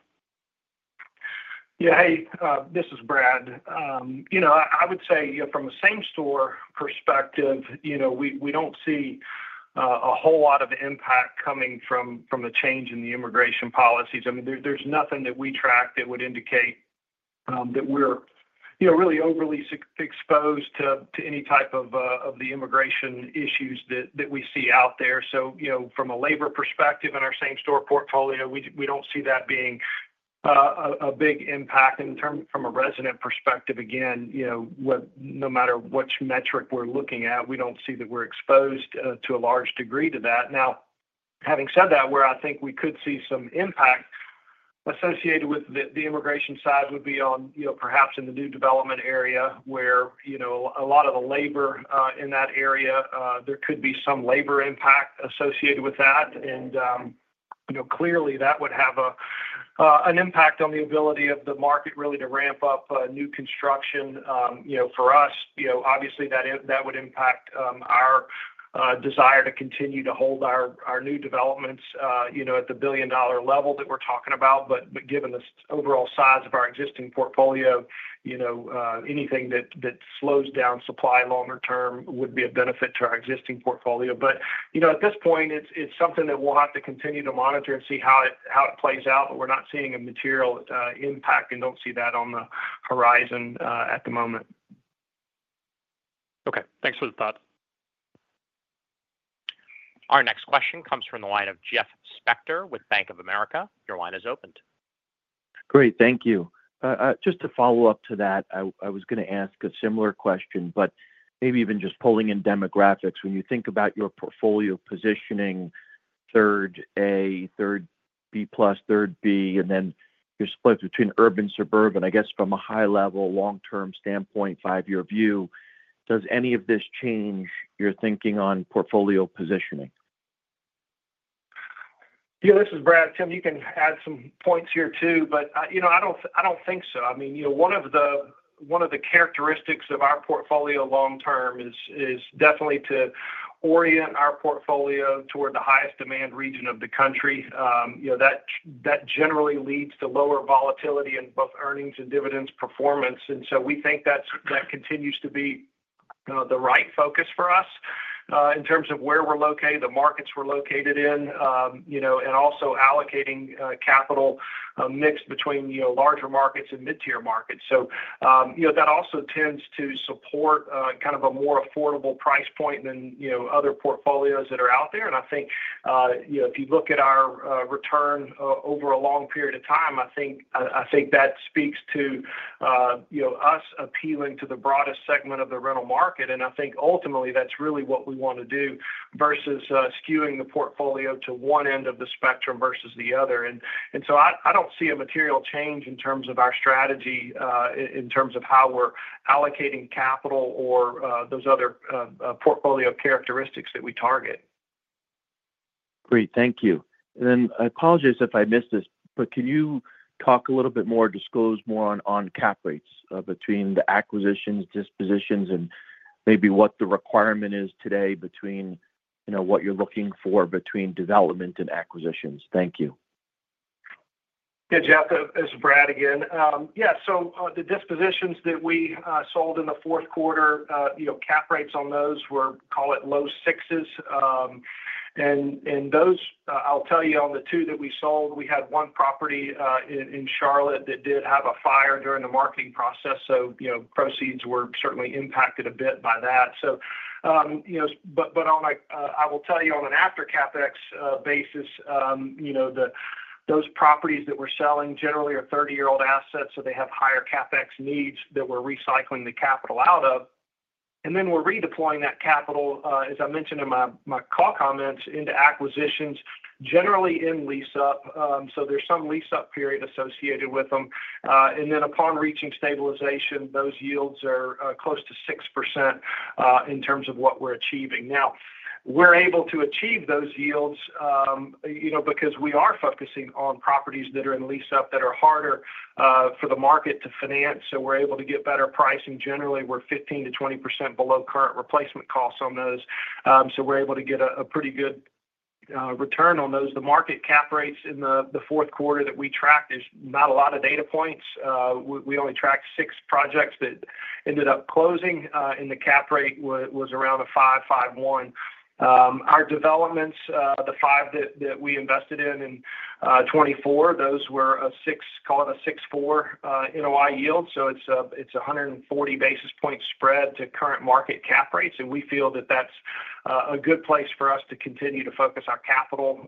[SPEAKER 5] Yeah. Hey, this is Brad. I would say from a same-store perspective, we don't see a whole lot of impact coming from the change in the immigration policies. I mean, there's nothing that we track that would indicate that we're really overly exposed to any type of the immigration issues that we see out there. So from a labor perspective in our same-store portfolio, we don't see that being a big impact. And from a resident perspective, again, no matter which metric we're looking at, we don't see that we're exposed to a large degree to that. Now, having said that, where I think we could see some impact associated with the immigration side would be on perhaps in the new development area where a lot of the labor in that area, there could be some labor impact associated with that. And clearly, that would have an impact on the ability of the market really to ramp up new construction. For us, obviously, that would impact our desire to continue to hold our new developments at the $1 billion level that we're talking about. But given the overall size of our existing portfolio, anything that slows down supply longer term would be a benefit to our existing portfolio. But at this point, it's something that we'll have to continue to monitor and see how it plays out. But we're not seeing a material impact and don't see that on the horizon at the moment.
[SPEAKER 4] Okay. Thanks for the thought.
[SPEAKER 1] Our next question comes from the line of Jeff Spector with Bank of America. Your line is open.
[SPEAKER 11] Great. Thank you. Just to follow up to that, I was going to ask a similar question, but maybe even just pulling in demographics. When you think about your portfolio positioning, Class A, Class B+, Class B, and then you're split between urban, suburban, I guess from a high-level, long-term standpoint, five-year view, does any of this change your thinking on portfolio positioning?
[SPEAKER 5] Yeah. This is Brad. Tim, you can add some points here too, but I don't think so. I mean, one of the characteristics of our portfolio long-term is definitely to orient our portfolio toward the highest demand region of the country. That generally leads to lower volatility in both earnings and dividends performance. And so we think that continues to be the right focus for us in terms of where we're located, the markets we're located in, and also allocating capital mixed between larger markets and mid-tier markets. So that also tends to support kind of a more affordable price point than other portfolios that are out there. And I think if you look at our return over a long period of time, I think that speaks to us appealing to the broadest segment of the rental market. And I think ultimately, that's really what we want to do versus skewing the portfolio to one end of the spectrum versus the other. And so I don't see a material change in terms of our strategy, in terms of how we're allocating capital or those other portfolio characteristics that we target.
[SPEAKER 11] Great. Thank you. And then I apologize if I missed this, but can you talk a little bit more, disclose more on cap rates between the acquisitions, dispositions, and maybe what the requirement is today between what you're looking for between development and acquisitions? Thank you.
[SPEAKER 5] Yeah. Jeff, this is Brad again. Yeah. The dispositions that we sold in the fourth quarter, cap rates on those were called low sixes. I'll tell you on the two that we sold, we had one property in Charlotte that did have a fire during the marketing process. Proceeds were certainly impacted a bit by that. I will tell you on an after-CapEx basis, those properties that we're selling generally are 30-year-old assets, so they have higher CapEx needs that we're recycling the capital out of. We're redeploying that capital, as I mentioned in my call comments, into acquisitions, generally in lease-up. There's some lease-up period associated with them. Upon reaching stabilization, those yields are close to 6% in terms of what we're achieving. Now, we're able to achieve those yields because we are focusing on properties that are in lease-up that are harder for the market to finance. So we're able to get better pricing. Generally, we're 15%-20% below current replacement costs on those. So we're able to get a pretty good return on those. The market cap rates in the fourth quarter that we tracked is not a lot of data points. We only tracked six projects that ended up closing, and the cap rate was around a 5.51. Our developments, the five that we invested in in 2024, those were a 6, call it a 6.4 NOI yield. So it's a 140 basis points spread to current market cap rates. And we feel that that's a good place for us to continue to focus our capital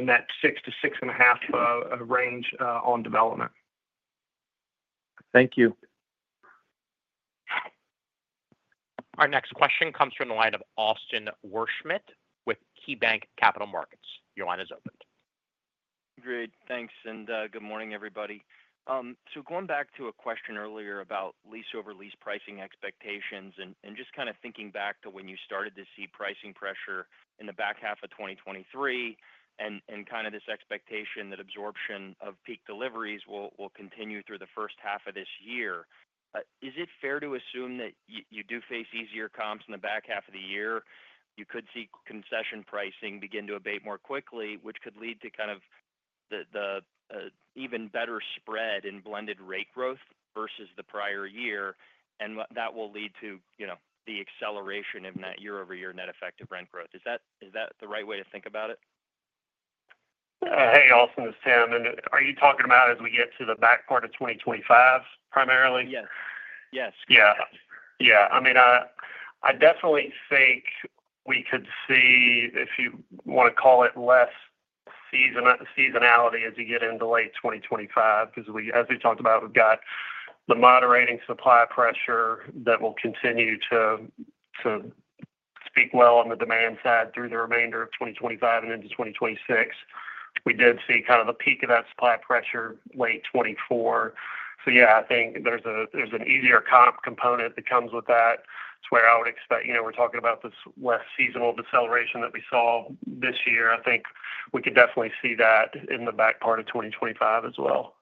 [SPEAKER 5] in that six to six and a half range on development.
[SPEAKER 11] Thank you.
[SPEAKER 1] Our next question comes from the line of Austin Wurschmidt with KeyBanc Capital Markets. Your line is open.
[SPEAKER 12] Great. Thanks. And good morning, everybody. So going back to a question earlier about lease-over-lease pricing expectations and just kind of thinking back to when you started to see pricing pressure in the back half of 2023 and kind of this expectation that absorption of peak deliveries will continue through the first half of this year. Is it fair to assume that you do face easier comps in the back half of the year? You could see concession pricing begin to abate more quickly, which could lead to kind of the even better spread in blended rate growth vs the prior year. And that will lead to the acceleration of net year-over-year net effective rent growth. Is that the right way to think about it?
[SPEAKER 3] Hey, Austin it's Tim, and are you talking about as we get to the back part of 2025 primarily? Yes. Yes. Yeah. Yeah. I mean, I definitely think we could see, if you want to call it less seasonality as you get into late 2025, because as we talked about, we've got the moderating supply pressure that will continue to speak well on the demand side through the remainder of 2025 and into 2026. We did see kind of a peak of that supply pressure late 2024. So yeah, I think there's an easier comp component that comes with that. It's where I would expect we're talking about this less seasonal deceleration that we saw this year. I think we could definitely see that in the back part of 2025 as well.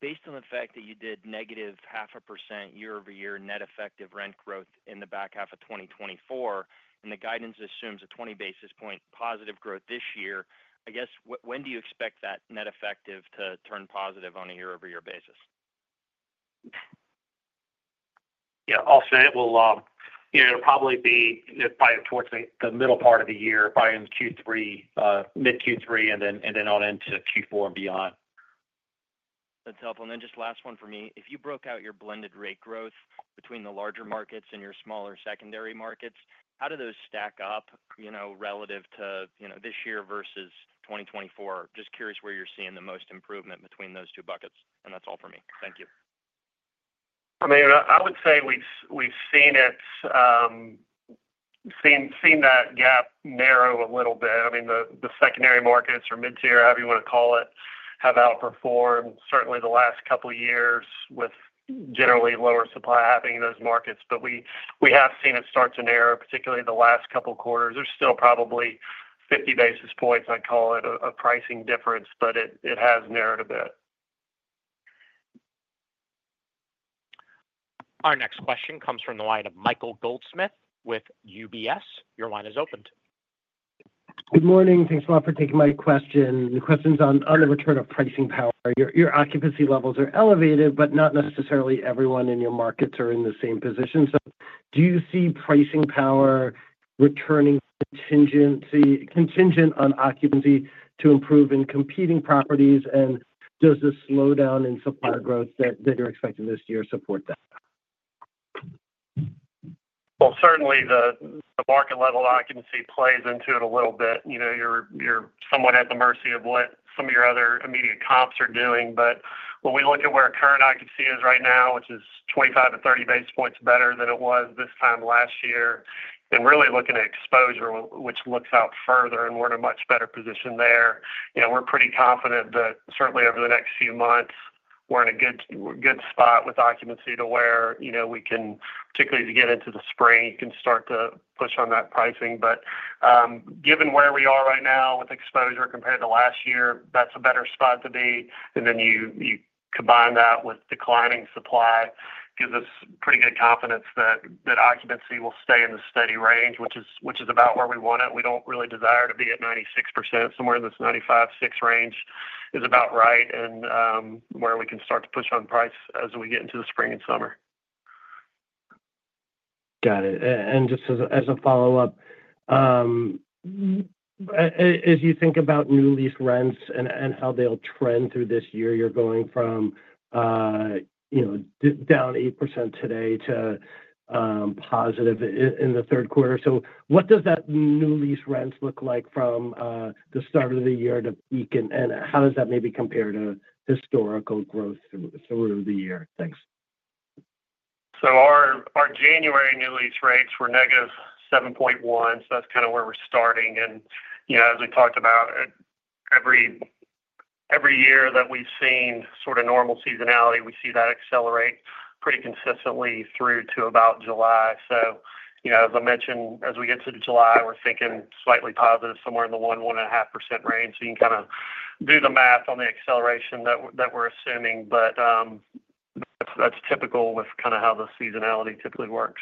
[SPEAKER 12] Based on the fact that you did negative 0.5% year-over-year net effective rent growth in the back half of 2024, and the guidance assumes a 20 basis points positive growth this year, I guess, when do you expect that net effective to turn positive on a year-over-year basis? Yeah. I'll say it will probably be towards the middle part of the year, probably in Q3, mid Q3, and then on into Q4 and beyond. That's helpful. And then just last one for me. If you broke out your blended rate growth between the larger markets and your smaller secondary markets, how do those stack up relative to this year versus 2024? Just curious where you're seeing the most improvement between those two buckets. And that's all for me. Thank you.
[SPEAKER 3] I mean, I would say we've seen that gap narrow a little bit. I mean, the secondary markets or mid-tier, however you want to call it, have outperformed certainly the last couple of years with generally lower supply happening in those markets. But we have seen it start to narrow, particularly the last couple of quarters. There's still probably 50 basis points, I'd call it, of pricing difference, but it has narrowed a bit.
[SPEAKER 1] Our next question comes from the line of Michael Goldsmith with UBS. Your line is open.
[SPEAKER 13] Good morning. Thanks a lot for taking my question. The question's on the return of pricing power. Your occupancy levels are elevated, but not necessarily everyone in your markets are in the same position. So do you see pricing power returning contingent on occupancy to improve in competing properties? And does the slowdown in supply growth that you're expecting this year support that?
[SPEAKER 3] Certainly, the market-level occupancy plays into it a little bit. You're somewhat at the mercy of what some of your other immediate comps are doing. But when we look at where current occupancy is right now, which is 25-30 basis points better than it was this time last year, and really looking at exposure, which looks out further, and we're in a much better position there. We're pretty confident that certainly over the next few months, we're in a good spot with occupancy to where we can, particularly as you get into the spring, you can start to push on that pricing. But given where we are right now with exposure compared to last year, that's a better spot to be. And then you combine that with declining supply gives us pretty good confidence that occupancy will stay in the steady range, which is about where we want it. We don't really desire to be at 96%. Somewhere in this 95%-96% range is about right and where we can start to push on price as we get into the spring and summer.
[SPEAKER 13] Got it. And just as a follow-up, as you think about new lease rents and how they'll trend through this year, you're going from down 8% today to positive in the third quarter. So what does that new lease rents look like from the start of the year to peak? And how does that maybe compare to historical growth through the year? Thanks. So our January new lease rates were negative 7.1%. So that's kind of where we're starting.
[SPEAKER 3] And as we talked about, every year that we've seen sort of normal seasonality, we see that accelerate pretty consistently through to about July. So as I mentioned, as we get to July, we're thinking slightly positive, somewhere in the 1%-1.5% range. So you can kind of do the math on the acceleration that we're assuming. But that's typical with kind of how the seasonality typically works.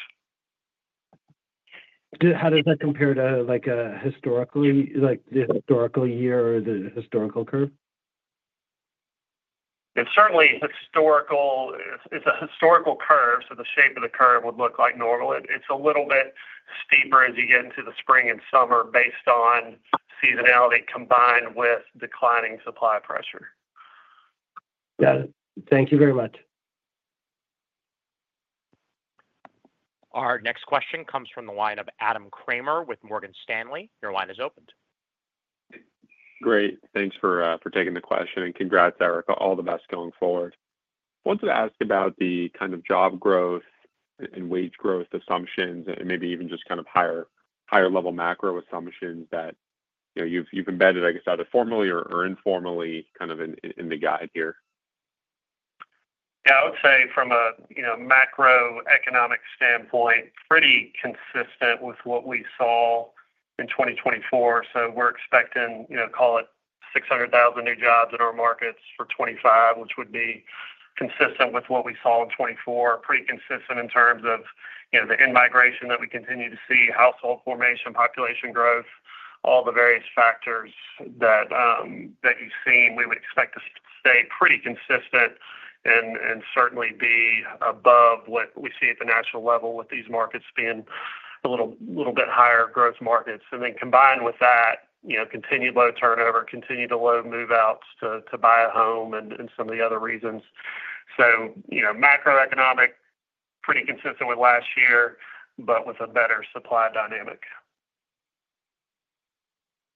[SPEAKER 13] How does that compare to historically, the historical year or the historical curve?
[SPEAKER 3] It's certainly historical. It's a historical curve. So the shape of the curve would look like normal. It's a little bit steeper as you get into the spring and summer based on seasonality combined with declining supply pressure.
[SPEAKER 13] Got it. Thank you very much.
[SPEAKER 1] Our next question comes from the line of Adam Kramer with Morgan Stanley. Your line is opened.
[SPEAKER 14] Great. Thanks for taking the question. Congrats, Eric. All the best going forward. I wanted to ask about the kind of job growth and wage growth assumptions and maybe even just kind of higher-level macro assumptions that you've embedded, I guess, either formally or informally kind of in the guide here.
[SPEAKER 3] Yeah. I would say from a macroeconomic standpoint, pretty consistent with what we saw in 2024. So we're expecting, call it 600,000 new jobs in our markets for 2025, which would be consistent with what we saw in 2024, pretty consistent in terms of the immigration that we continue to see, household formation, population growth, all the various factors that you've seen. We would expect to stay pretty consistent and certainly be above what we see at the national level with these markets being a little bit higher growth markets. And then combined with that, continued low turnover, continued low move-outs to buy a home and some of the other reasons. So macroeconomic, pretty consistent with last year, but with a better supply dynamic.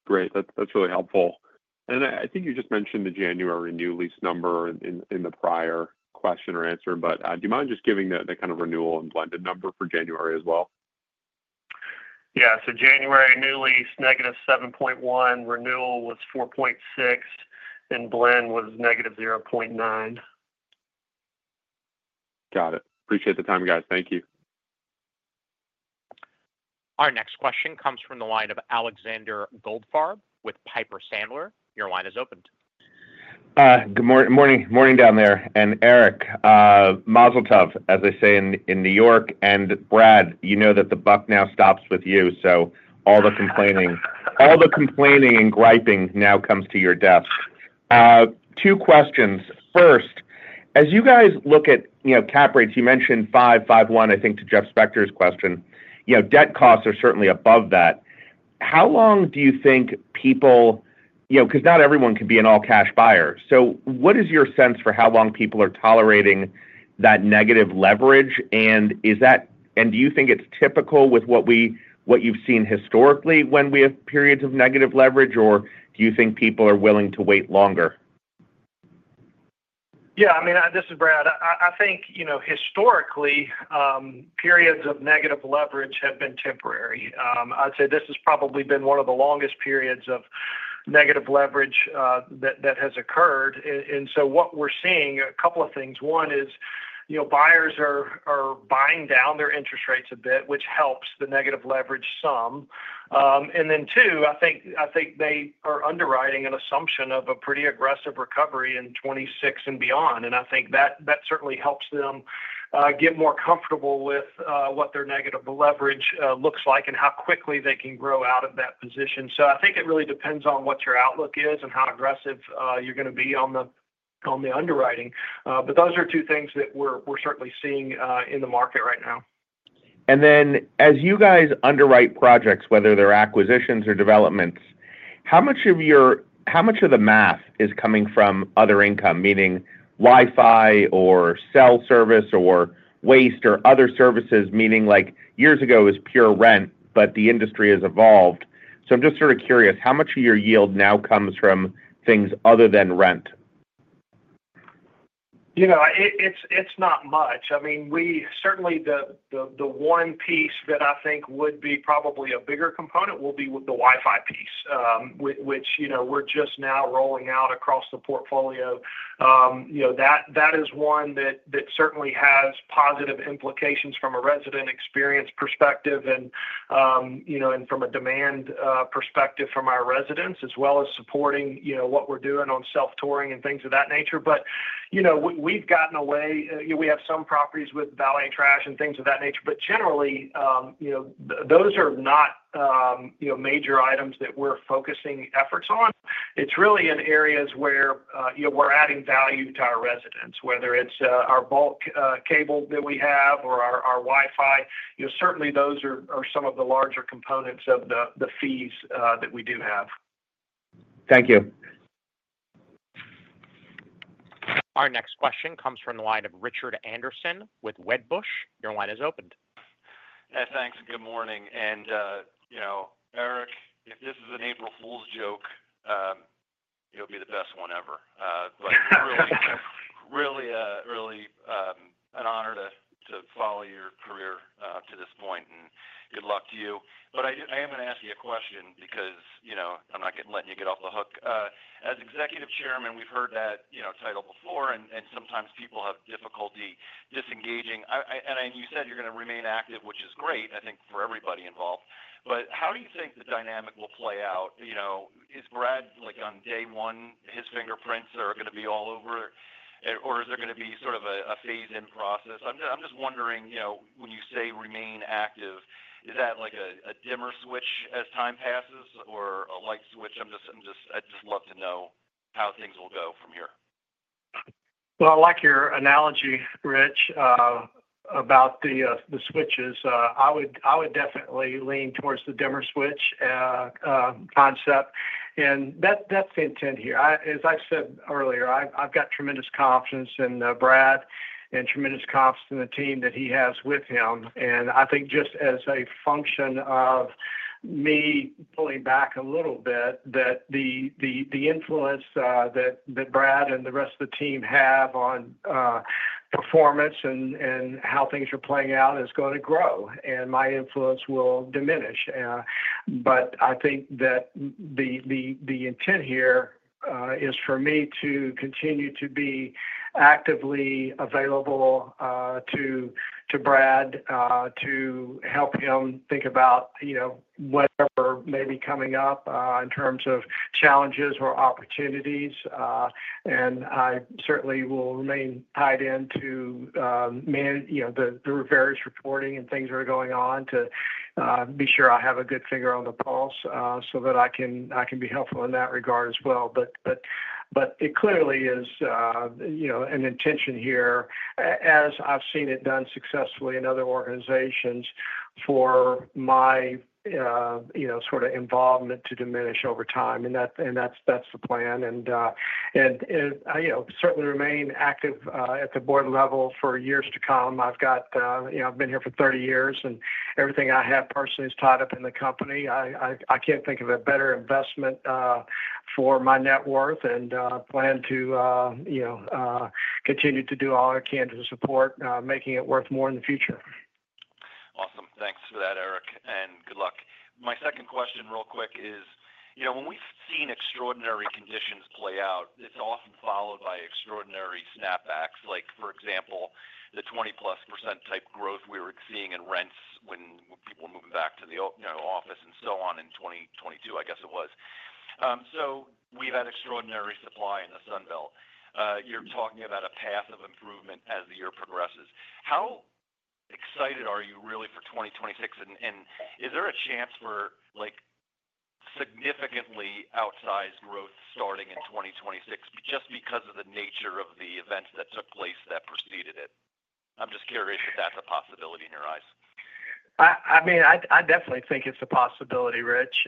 [SPEAKER 14] Great. That's really helpful. And I think you just mentioned the January new lease number in the prior question or answer, but do you mind just giving the kind of renewal and blended number for January as well?
[SPEAKER 3] Yeah. So January new lease, -7.1%. Renewal was 4.6%, and blend was -0.9%.
[SPEAKER 14] Got it. Appreciate the time, guys. Thank you.
[SPEAKER 1] Our next question comes from the line of Alexander Goldfarb with Piper Sandler. Your line is open.
[SPEAKER 15] Good morning. Morning down there. And Eric, Mazel Tov, as I say in New York. And Brad, you know that the buck now stops with you. So all the complaining and griping now comes to your desk. Two questions. First, as you guys look at cap rates, you mentioned 5.51%, I think, to Jeff Specter's question. Debt costs are certainly above that. How long do you think people because not everyone can be an all-cash buyer. So what is your sense for how long people are tolerating that negative leverage? And do you think it's typical with what you've seen historically when we have periods of negative leverage, or do you think people are willing to wait longer?
[SPEAKER 5] Yeah. I mean, this is Brad. I think historically, periods of negative leverage have been temporary. I'd say this has probably been one of the longest periods of negative leverage that has occurred. And so what we're seeing, a couple of things. One is buyers are buying down their interest rates a bit, which helps the negative leverage some. And then two, I think they are underwriting an assumption of a pretty aggressive recovery in 2026 and beyond. And I think that certainly helps them get more comfortable with what their negative leverage looks like and how quickly they can grow out of that position. So I think it really depends on what your outlook is and how aggressive you're going to be on the underwriting. But those are two things that we're certainly seeing in the market right now.
[SPEAKER 15] And then as you guys underwrite projects, whether they're acquisitions or developments, how much of the math is coming from other income, meaning Wi-Fi or cell service or waste or other services, meaning years ago it was pure rent, but the industry has evolved? So I'm just sort of curious, how much of your yield now comes from things other than rent?
[SPEAKER 5] It's not much. I mean, certainly the one piece that I think would be probably a bigger component will be with the Wi-Fi piece, which we're just now rolling out across the portfolio. That is one that certainly has positive implications from a resident experience perspective and from a demand perspective from our residents, as well as supporting what we're doing on self-touring and things of that nature. But we've gotten away. We have some properties with valet trash and things of that nature. But generally, those are not major items that we're focusing efforts on. It's really in areas where we're adding value to our residents, whether it's our bulk cable that we have or our Wi-Fi. Certainly, those are some of the larger components of the fees that we do have.
[SPEAKER 3] Thank you.
[SPEAKER 1] Our next question comes from the line of Richard Anderson with Wedbush. Your line is opened. Hey, thanks.
[SPEAKER 16] Good morning, and Eric, if this is an April Fool's joke, it'll be the best one ever. But really, really an honor to follow your career to this point, and good luck to you. But I am going to ask you a question because I'm not letting you get off the hook. As Executive Chairman, we've heard that title before, and sometimes people have difficulty disengaging. And you said you're going to remain active, which is great, I think, for everybody involved. But how do you think the dynamic will play out? Is Brad on day one, his fingerprints are going to be all over, or is there going to be sort of a phase-in process? I'm just wondering, when you say remain active, is that like a dimmer switch as time passes or a light switch? I'd just love to know how things will go from here.
[SPEAKER 3] I like your analogy, Rich, about the switches. I would definitely lean towards the dimmer switch concept. And that's the intent here. As I've said earlier, I've got tremendous confidence in Brad and tremendous confidence in the team that he has with him. And I think just as a function of me pulling back a little bit, that the influence that Brad and the rest of performance and how things are playing out is going to grow, the team have on and my influence will diminish. But I think that the intent here is for me to continue to be actively available to Brad to help him think about whatever may be coming up in terms of challenges or opportunities. And I certainly will remain tied into the various reporting and things that are going on to be sure I have a good finger on the pulse so that I can be helpful in that regard as well. But it clearly is an intention here, as I've seen it done successfully in other organizations, for my sort of involvement to diminish over time. And that's the plan. And certainly remain active at the board level for years to come. I've been here for 30 years, and everything I have personally is tied up in the company. I can't think of a better investment for my net worth and plan to continue to do all I can to support making it worth more in the future.
[SPEAKER 16] Awesome. Thanks for that, Eric. And good luck. My second question real quick is, when we've seen extraordinary conditions play out, it's often followed by extraordinary snapbacks. For example, the 20+% type growth we were seeing in rents when people were moving back to the office and so on in 2022, I guess it was. So we've had extraordinary supply in the Sun Belt. You're talking about a path of improvement as the year progresses. How excited are you really for 2026? And is there a chance for significantly outsized growth starting in 2026 just because of the nature of the events that took place that preceded it? I'm just curious if that's a possibility in your eyes.
[SPEAKER 3] I mean, I definitely think it's a possibility, Rich,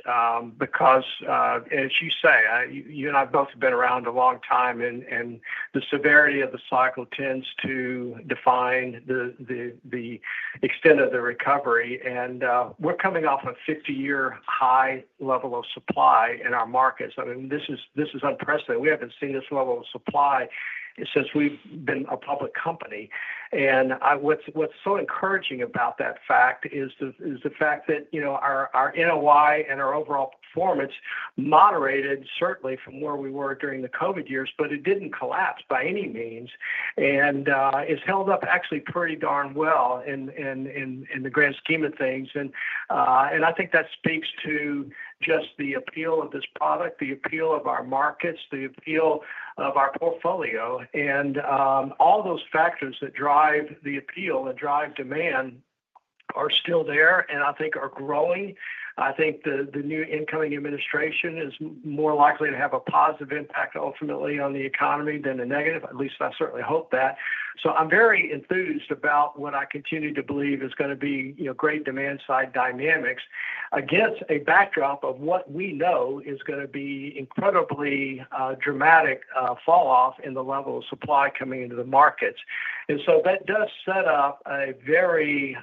[SPEAKER 3] because, as you say, you and I both have been around a long time, and the severity of the cycle tends to define the extent of the recovery. We're coming off a 50-year high level of supply in our markets. I mean, this is unprecedented. We haven't seen this level of supply since we've been a public company. And what's so encouraging about that fact is the fact that our NOI and our overall performance moderated, certainly, from where we were during the COVID years, but it didn't collapse by any means and is held up actually pretty darn well in the grand scheme of things. And I think that speaks to just the appeal of this product, the appeal of our markets, the appeal of our portfolio. And all those factors that drive the appeal and drive demand are still there and I think are growing. I think the new incoming administration is more likely to have a positive impact ultimately on the economy than a negative. At least I certainly hope that. So I'm very enthused about what I continue to believe is going to be great demand-side dynamics against a backdrop of what we know is going to be incredibly dramatic falloff in the level of supply coming into the markets. And so that does set up a very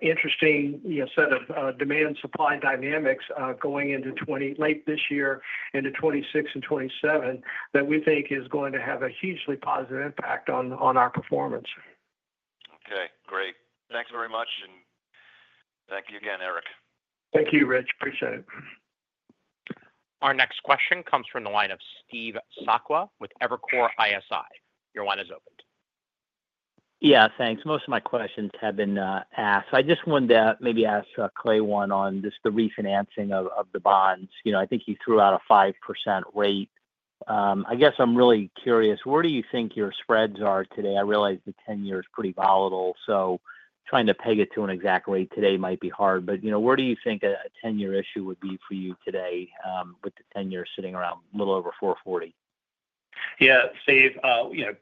[SPEAKER 3] interesting set of demand-supply dynamics going into late this year, into 2026 and 2027, that we think is going to have a hugely positive impact on our performance. Okay. Great. Thanks very much. And thank you again, Eric. Thank you, Rich. Appreciate it.
[SPEAKER 1] Our next question comes from the line of Steve Sakwa with Evercore ISI. Your line is open.
[SPEAKER 17] Yeah. Thanks. Most of my questions have been asked. I just wanted to maybe ask Clay one on just the refinancing of the bonds. I think he threw out a 5% rate. I guess I'm really curious, where do you think your spreads are today? I realize the 10-year is pretty volatile, so trying to peg it to an exact rate today might be hard. But where do you think a 10-year issue would be for you today with the 10-year sitting around a little over 440?
[SPEAKER 3] Yeah. Steve,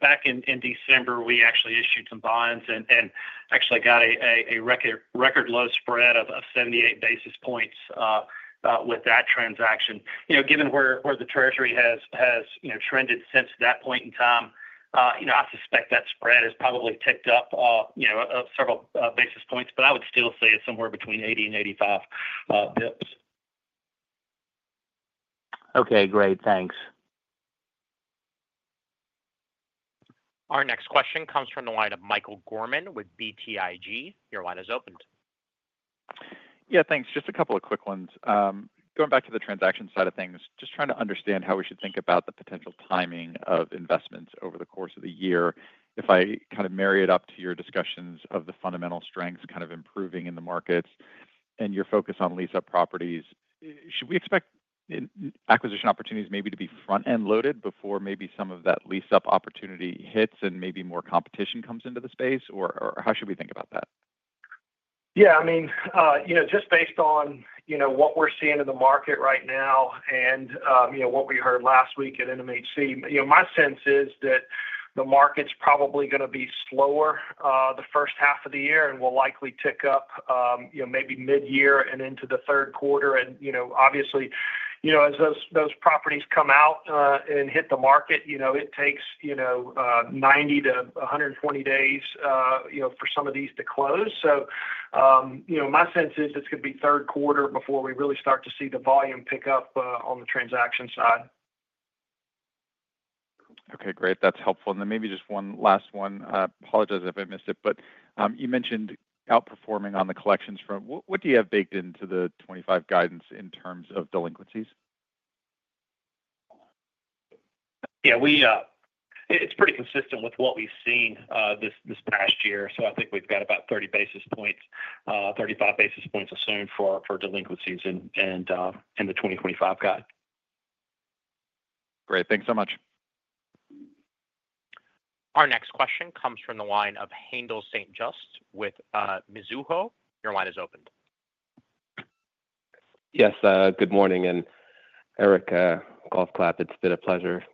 [SPEAKER 3] back in December, we actually issued some bonds and actually got a record low spread of 78 basis points with that transaction. Given where the Treasury has trended since that point in time, I suspect that spread has probably ticked up several basis points, but I would still say it's somewhere between 80 and 85 basis points.
[SPEAKER 17] Okay. Great. Thanks.
[SPEAKER 1] Our next question comes from the line of Michael Gorman with BTIG. Your line is opened. Yeah. Thanks. Just a couple of quick ones.
[SPEAKER 18] Going back to the transaction side of things, just trying to understand how we should think about the potential timing of investments over the course of the year. If I kind of marry it up to your discussions of the fundamental strengths kind of improving in the markets and your focus on lease-up properties, should we expect acquisition opportunities maybe to be front-end loaded before maybe some of that lease-up opportunity hits and maybe more competition comes into the space? Or how should we think about that?
[SPEAKER 3] Yeah. I mean, just based on what we're seeing in the market right now and what we heard last week at NMHC, my sense is that the market's probably going to be slower the first half of the year and will likely tick up maybe mid-year and into the third quarter. And obviously, as those properties come out and hit the market, it takes 90-120 days for some of these to close. So my sense is it's going to be third quarter before we really start to see the volume pick up on the transaction side.
[SPEAKER 18] Okay. Great. That's helpful. And then maybe just one last one. Apologize if I missed it. But you mentioned outperforming on the collections front. What do you have baked into the 2025 guidance in terms of delinquencies?
[SPEAKER 3] Yeah. It's pretty consistent with what we've seen this past year. So I think we've got about 30-35 basis points assumed for delinquencies in the 2025 guide.
[SPEAKER 1] Great. Thanks so much. Our next question comes from the line of Haendel St. Juste with Mizuho. Your line is opened.
[SPEAKER 19] Yes. Good morning. And Eric, golf clap. It's been a pleasure.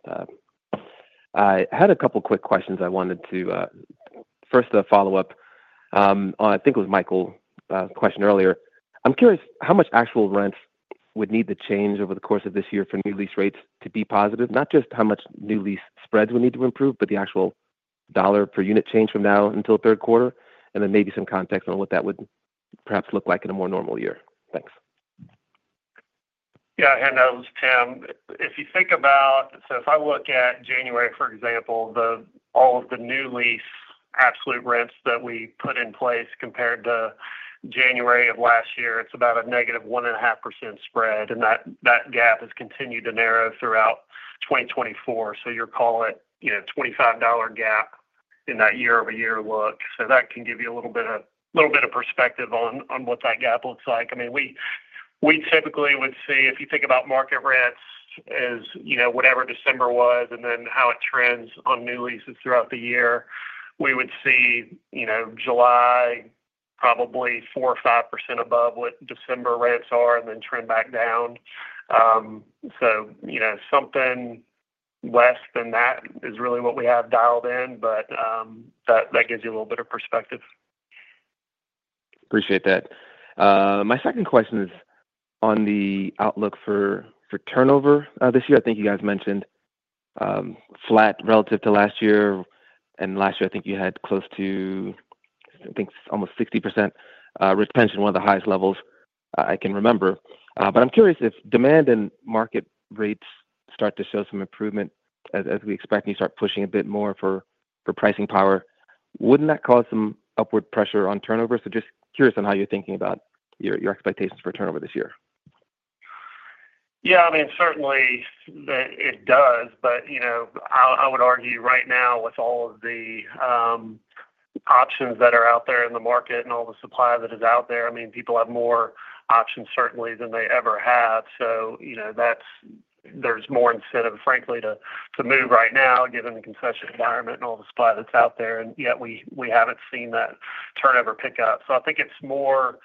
[SPEAKER 19] I had a couple of quick questions I wanted to first follow up on. I think it was Michael's question earlier. I'm curious how much actual rents would need to change over the course of this year for new lease rates to be positive. Not just how much new lease spreads would need to improve, but the actual dollar per unit change from now until third quarter. And then maybe some context on what that would perhaps look like in a more normal year. Thanks.
[SPEAKER 6] Yeah. Haendel, it's Tim. If you think about so if I look at January, for example, all of the new lease absolute rents that we put in place compared to January of last year, it's about a -ve5% spread. And that gap has continued to narrow throughout 2024. So you're calling it a $25 gap in that year-over-year look. So that can give you a little bit of perspective on what that gap looks like. I mean, we typically would see if you think about market rents as whatever December was and then how it trends on new leases throughout the year, we would see July probably 4% or 5% above what December rents are and then trend back down. So something less than that is really what we have dialed in. But that gives you a little bit of perspective.
[SPEAKER 19] Appreciate that. My second question is on the outlook for turnover this year. I think you guys mentioned flat relative to last year. And last year, I think you had close to, I think, almost 60%. Rich mentioned one of the highest levels I can remember. But I'm curious if demand and market rates start to show some improvement as we expect and you start pushing a bit more for pricing power, wouldn't that cause some upward pressure on turnover? So just curious on how you're thinking about your expectations for turnover this year.
[SPEAKER 6] Yeah. I mean, certainly, it does. But I would argue right now, with all of the options that are out there in the market and all the supply that is out there, I mean, people have more options certainly than they ever have. So there's more incentive, frankly, to move right now given the concession environment and all the supply that's out there. And yet, we haven't seen that turnover pick up. So I think it's more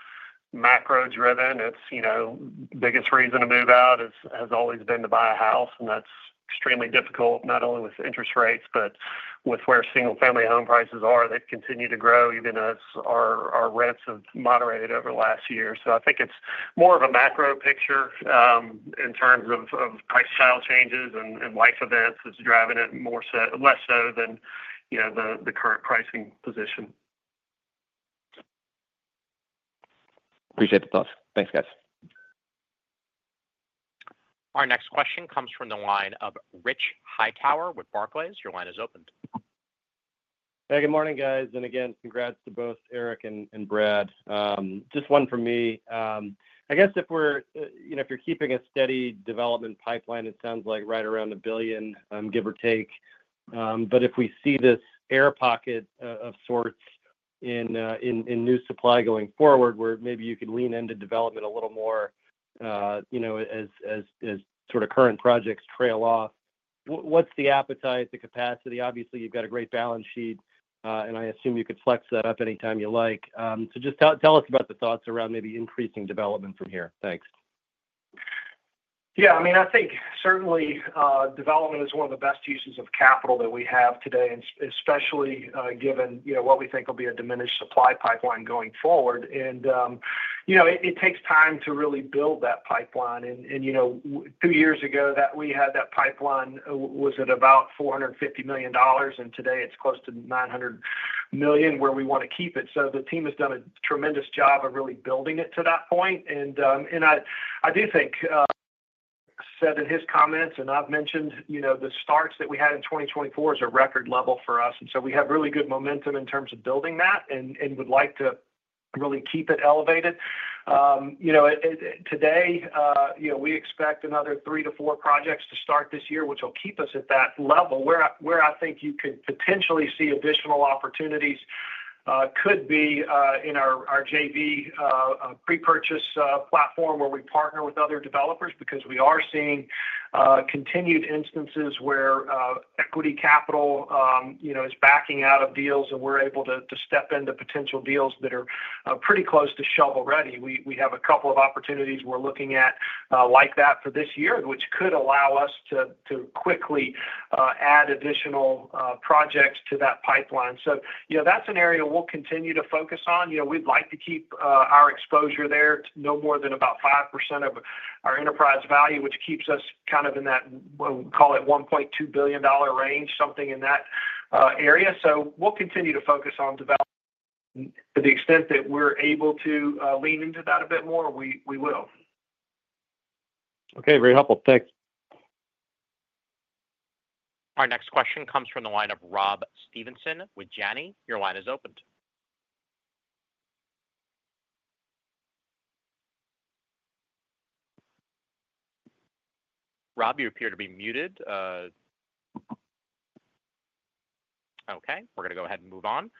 [SPEAKER 6] macro-driven. The biggest reason to move out has always been to buy a house. That's extremely difficult, not only with interest rates, but with where single-family home prices are. They've continued to grow even as our rents have moderated over the last year. So I think it's more of a macro picture in terms of lifestyle changes and life events that's driving it less so than the current pricing position.
[SPEAKER 19] Appreciate the thoughts. Thanks, guys.
[SPEAKER 1] Our next question comes from the line of Rich Hightower with Barclays. Your line is open.
[SPEAKER 20] Hey, good morning, guys. And again, congrats to both Eric and Brad. Just one for me. I guess if you're keeping a steady development pipeline, it sounds like right around $1 billion, give or take. But if we see this air pocket of sorts in new supply going forward, where maybe you could lean into development a little more as sort of current projects trail off, what's the appetite, the capacity? Obviously, you've got a great balance sheet. And I assume you could flex that up anytime you like. So just tell us about the thoughts around maybe increasing development from here.
[SPEAKER 3] Thanks. Yeah. I mean, I think certainly, development is one of the best uses of capital that we have today, especially given what we think will be a diminished supply pipeline going forward. And it takes time to really build that pipeline. And two years ago that we had that pipeline, was it about $450 million? And today, it's close to $900 million where we want to keep it. So the team has done a tremendous job of really building it to that point. And I do think, said in his comments, and I've mentioned the starts that we had in 2024 is a record level for us. And so we have really good momentum in terms of building that and would like to really keep it elevated. Today, we expect another three to four projects to start this year, which will keep us at that level. Where I think you could potentially see additional opportunities could be in our JV pre-purchase platform where we partner with other developers because we are seeing continued instances where equity capital is backing out of deals and we're able to step into potential deals that are pretty close to shovel ready. We have a couple of opportunities we're looking at like that for this year, which could allow us to quickly add additional projects to that pipeline. So that's an area we'll continue to focus on. We'd like to keep our exposure there no more than about 5% of our enterprise value, which keeps us kind of in that, we'll call it $1.2 billion range, something in that area. So we'll continue to focus on development to the extent that we're able to lean into that a bit more, we will.
[SPEAKER 20] Okay. Very helpful.
[SPEAKER 1] Thanks. Our next question comes from the line of Rob Stevenson with Janney. Your line is open. Rob, you appear to be muted. Okay. We're going to go ahead and move on.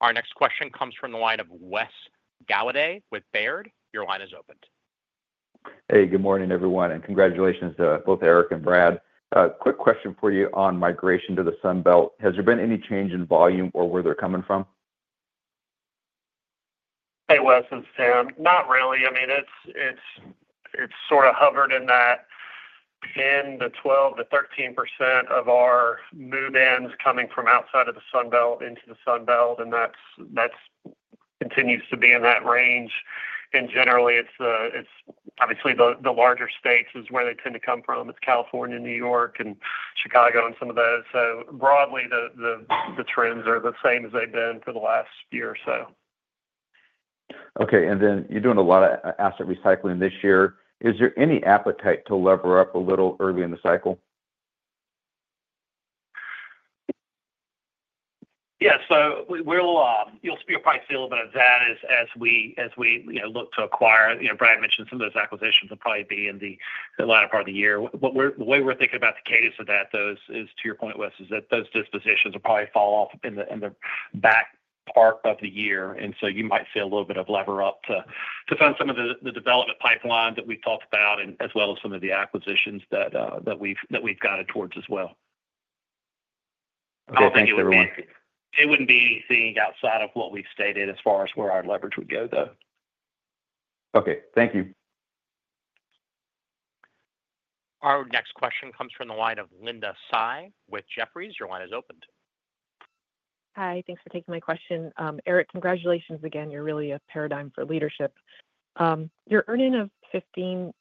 [SPEAKER 1] Our next question comes from the line of Wes Golladay with Baird. Your line is open.
[SPEAKER 21] Hey, good morning, everyone. And congratulations to both Eric and Brad. Quick question for you on migration to the Sun Belt. Has there been any change in volume or where they're coming from?
[SPEAKER 6] Hey, Wes it's Tim. Not really. I mean, it's sort of hovered in that 10%-13% of our move-ins coming from outside of the Sun Belt into the Sun Belt. And that continues to be in that range. And generally, it's obviously the larger states is where they tend to come from. It's California, New York, and Chicago and some of those. So broadly, the trends are the same as they've been for the last year or so.
[SPEAKER 21] Okay. And then you're doing a lot of asset recycling this year. Is there any appetite to lever up a little early in the cycle?
[SPEAKER 6] Yeah. So you'll probably see a little bit of that as we look to acquire. Brad mentioned some of those acquisitions will probably be in the latter part of the year. But the way we're thinking about the cadence of that, though, is to your point, Wes, is that those dispositions will probably fall off in the back part of the year. And so you might see a little bit of lever up to fund some of the development pipeline that we've talked about as well as some of the acquisitions that we've guided towards as well. I think it wouldn't be anything outside of what we've stated as far as where our leverage would go, though.
[SPEAKER 21] Okay. Thank you.
[SPEAKER 1] Our next question comes from the line of Linda Tsai with Jefferies. Your line is open.
[SPEAKER 22] Hi. Thanks for taking my question. Eric, congratulations again. You're really a paradigm for leadership. Your earnings of -15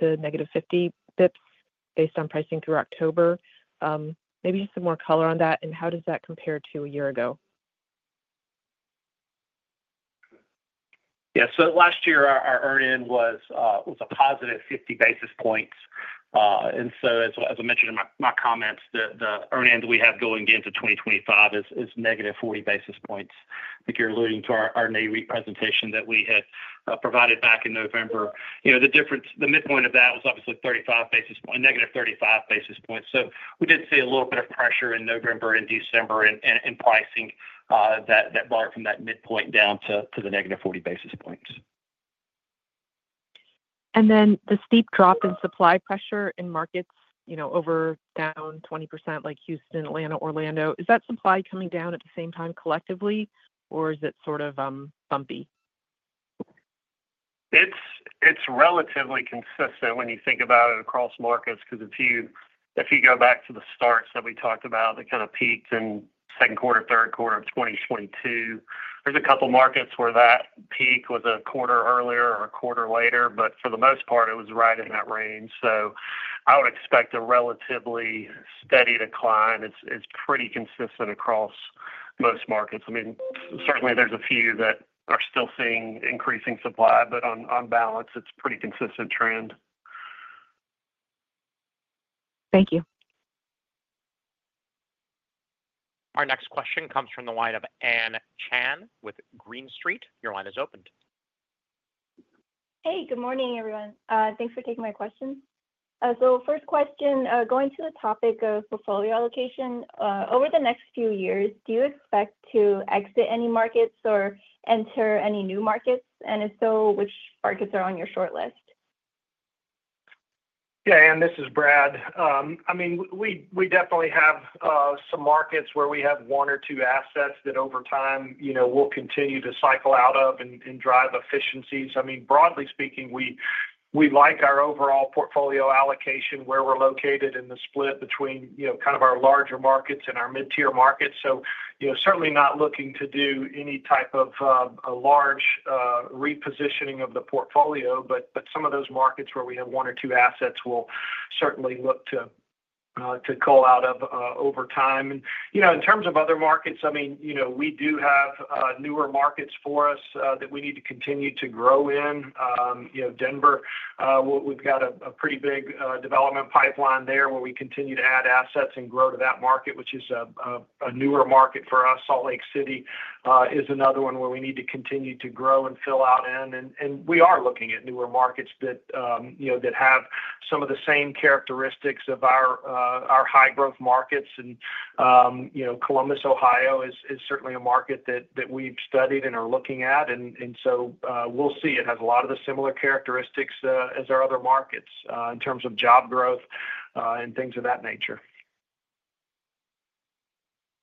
[SPEAKER 22] to -50 basis points based on pricing through October, maybe just some more color on that. And how does that compare to a year ago?
[SPEAKER 3] Yeah. So last year, our earnings was a positive 50 basis points. And so, as I mentioned in my comments, the earnings we have going into 2025 is -40 basis points. I think you're alluding to our NAV presentation that we had provided back in November. The midpoint of that was obviously -35 basis points. So we did see a little bit of pressure in November and December in pricing that bore from that midpoint down to the -40 basis points.
[SPEAKER 22] And then the steep drop in supply pressure in markets overall down 20% like Houston, Atlanta, Orlando, is that supply coming down at the same time collectively, or is it sort of bumpy?
[SPEAKER 3] It's relatively consistent when you think about it across markets because if you go back to the starts that we talked about, the kind of peaks in second quarter, third quarter of 2022, there's a couple of markets where that peak was a quarter earlier or a quarter later. But for the most part, it was right in that range. So I would expect a relatively steady decline. It's pretty consistent across most markets. I mean, certainly, there's a few that are still seeing increasing supply. But on balance, it's a pretty consistent trend.
[SPEAKER 22] Thank you.
[SPEAKER 1] Our next question comes from the line of Ann Chan with Green Street. Your line is open.
[SPEAKER 23] Hey, good morning, everyone. Thanks for taking my question. So first question, going to the topic of portfolio allocation, over the next few years, do you expect to exit any markets or enter any new markets? And if so, which markets are on your short list?
[SPEAKER 5] Yeah. And this is Brad. I mean, we definitely have some markets where we have one or two assets that over time will continue to cycle out of and drive efficiencies. I mean, broadly speaking, we like our overall portfolio allocation where we're located in the split between kind of our larger markets and our mid-tier markets. So certainly not looking to do any type of large repositioning of the portfolio. But some of those markets where we have one or two assets will certainly look to cycle out of over time. And in terms of other markets, I mean, we do have newer markets for us that we need to continue to grow in. Denver, we've got a pretty big development pipeline there where we continue to add assets and grow to that market, which is a newer market for us. Salt Lake City is another one where we need to continue to grow and fill out in. And we are looking at newer markets that have some of the same characteristics of our high-growth markets. And Columbus, Ohio, is certainly a market that we've studied and are looking at. And so we'll see it has a lot of the similar characteristics as our other markets in terms of job growth and things of that nature.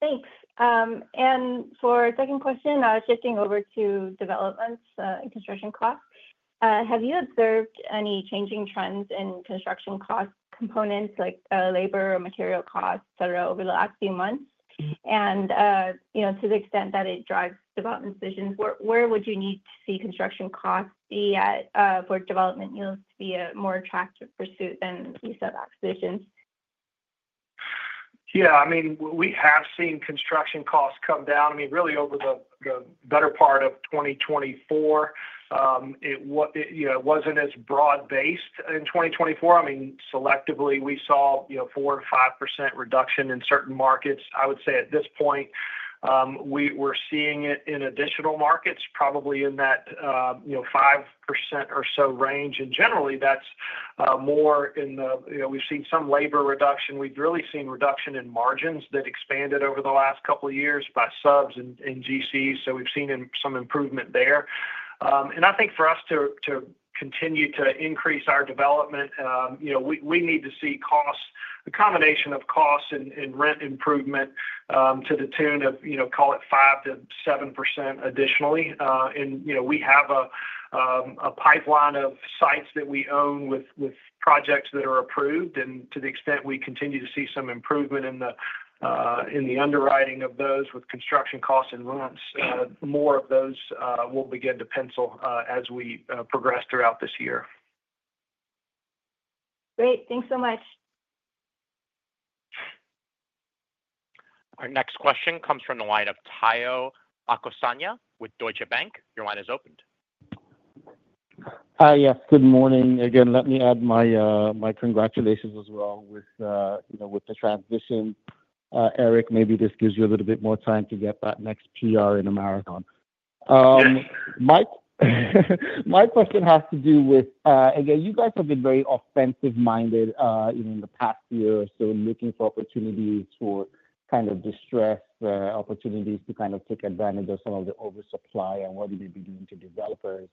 [SPEAKER 23] Thanks. And for our second question, shifting over to developments and construction costs, have you observed any changing trends in construction cost components like labor or material costs, etc., over the last few months? To the extent that it drives development decisions, where would you need to see construction costs be at for development yields to be a more attractive pursuit than you said acquisitions?
[SPEAKER 5] Yeah. I mean, we have seen construction costs come down. I mean, really, over the better part of 2024, it wasn't as broad-based in 2024. I mean, selectively, we saw 4%-5% reduction in certain markets. I would say at this point, we're seeing it in additional markets, probably in that 5% or so range. And generally, that's more in the we've seen some labor reduction. We've really seen reduction in margins that expanded over the last couple of years by subs and GCs. So we've seen some improvement there. I think for us to continue to increase our development, we need to see a combination of costs and rent improvement to the tune of, call it, 5%-7% additionally. We have a pipeline of sites that we own with projects that are approved. To the extent we continue to see some improvement in the underwriting of those with construction costs and rents, more of those will begin to pencil as we progress throughout this year.
[SPEAKER 23] Great. Thanks so much.
[SPEAKER 1] Our next question comes from the line of Omotayo Okusanya with Deutsche Bank. Your line is open.
[SPEAKER 24] Hi, yes. Good morning. Again, let me add my congratulations as well with the transition. Eric, maybe this gives you a little bit more time to get that next PR in a marathon. Mike, my question has to do with, again, you guys have been very offensive-minded in the past year or so looking for opportunities for kind of distressed opportunities to kind of take advantage of some of the oversupply and what you may be doing to developers.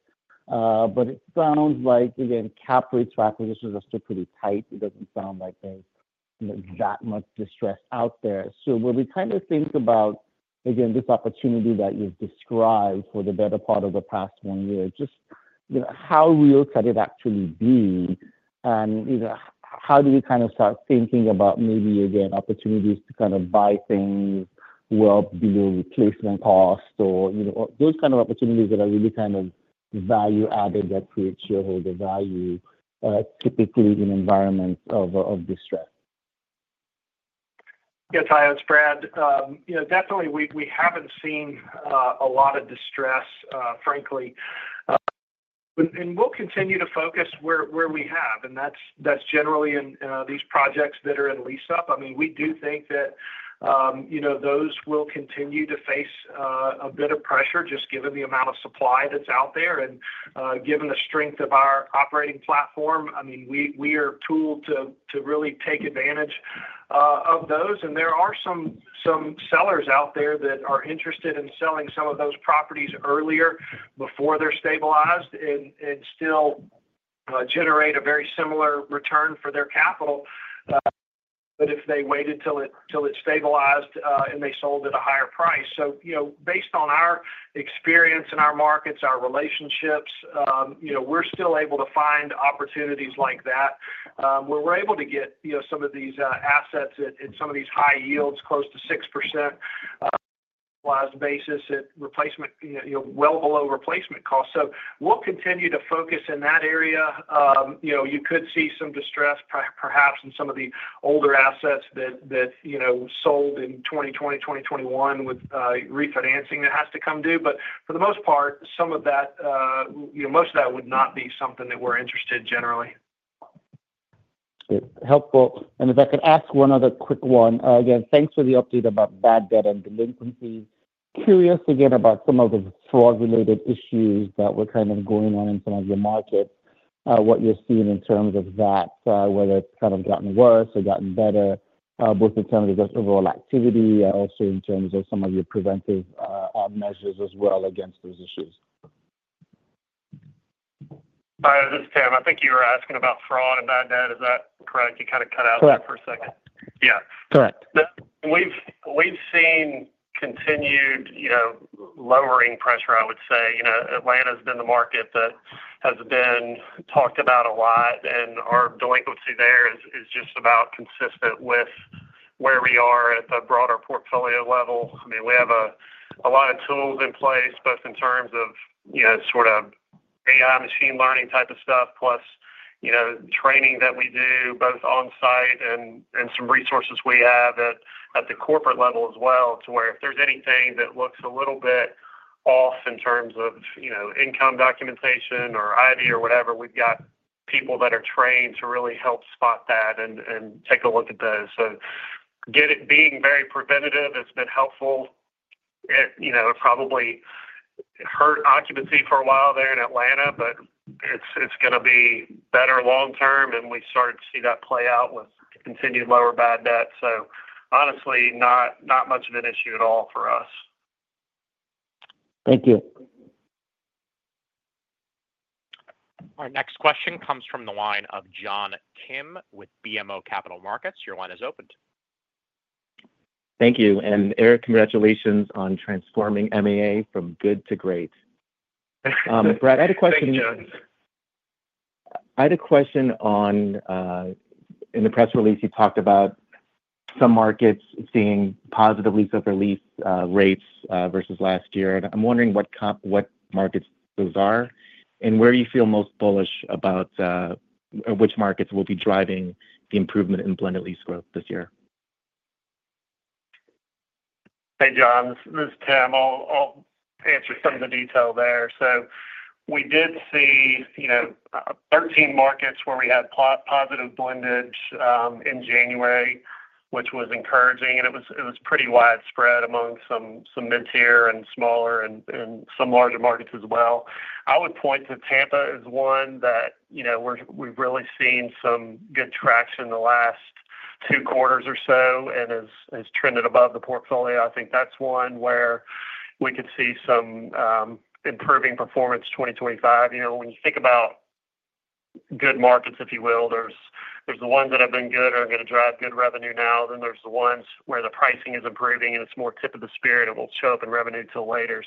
[SPEAKER 24] But it sounds like, again, cap rates for acquisitions are still pretty tight. It doesn't sound like there's that much distress out there. So when we kind of think about, again, this opportunity that you've described for the better part of the past one year, just how real can it actually be? And how do we kind of start thinking about maybe, again, opportunities to kind of buy things well below replacement cost or those kind of opportunities that are really kind of value-added that create shareholder value, typically in environments of distress?
[SPEAKER 5] Yeah. Omotaya, it's Brad. Definitely, we haven't seen a lot of distress, frankly. And we'll continue to focus where we have. And that's generally in these projects that are in lease-up. I mean, we do think that those will continue to face a bit of pressure just given the amount of supply that's out there and given the strength of our operating platform. I mean, we are tooled to really take advantage of those. And there are some sellers out there that are interested in selling some of those properties earlier before they're stabilized and still generate a very similar return for their capital. But if they waited till it stabilized and they sold at a higher price. Based on our experience in our markets, our relationships, we're still able to find opportunities like that where we're able to get some of these assets at some of these high yields, close to 6% basis at well below replacement costs. We'll continue to focus in that area. You could see some distress, perhaps, in some of the older assets that sold in 2020, 2021 with refinancing that has to come due. But for the most part, some of that, most of that would not be something that we're interested in generally.
[SPEAKER 24] Helpful. And if I could ask one other quick one. Again, thanks for the update about bad debt and delinquencies. Curious again about some of the fraud-related issues that were kind of going on in some of your markets, what you're seeing in terms of that, whether it's kind of gotten worse or gotten better, both in terms of just overall activity and also in terms of some of your preventive measures as well against those issues.
[SPEAKER 6] Hi, this is Tim. I think you were asking about fraud and bad debt. Is that correct? You kind of cut out there for a second.
[SPEAKER 24] Yeah. Correct.
[SPEAKER 6] We've seen continued lowering pressure, I would say. Atlanta has been the market that has been talked about a lot. And our delinquency there is just about consistent with where we are at the broader portfolio level. I mean, we have a lot of tools in place, both in terms of sort of AI machine learning type of stuff, plus training that we do both on-site and some resources we have at the corporate level as well to where if there's anything that looks a little bit off in terms of income documentation or ID or whatever, we've got people that are trained to really help spot that and take a look at those, so being very preventative has been helpful. It probably hurt occupancy for a while there in Atlanta, but it's going to be better long-term, and we started to see that play out with continued lower bad debt, so honestly, not much of an issue at all for us.
[SPEAKER 24] Thank you.
[SPEAKER 1] Our next question comes from the line of John Kim with BMO Capital Markets. Your line is open.
[SPEAKER 25] Thank you. Eric, congratulations on transforming MAA from good to great. Brad, I had a question on in the press release, you talked about some markets seeing positive lease-up release rates versus last year. I'm wondering what markets those are and where you feel most bullish about which markets will be driving the improvement in blended lease growth this year.
[SPEAKER 6] Hey, John. This is Tim. I'll answer some of the detail there. We did see 13 markets where we had positive blended in January, which was encouraging. It was pretty widespread among some mid-tier and smaller and some larger markets as well. I would point to Tampa as one that we've really seen some good traction in the last two quarters or so and has trended above the portfolio. I think that's one where we could see some improving performance 2025. When you think about good markets, if you will, there's the ones that have been good or are going to drive good revenue now. Then there's the ones where the pricing is improving and it's more tip of the spear and will show up in revenue till later.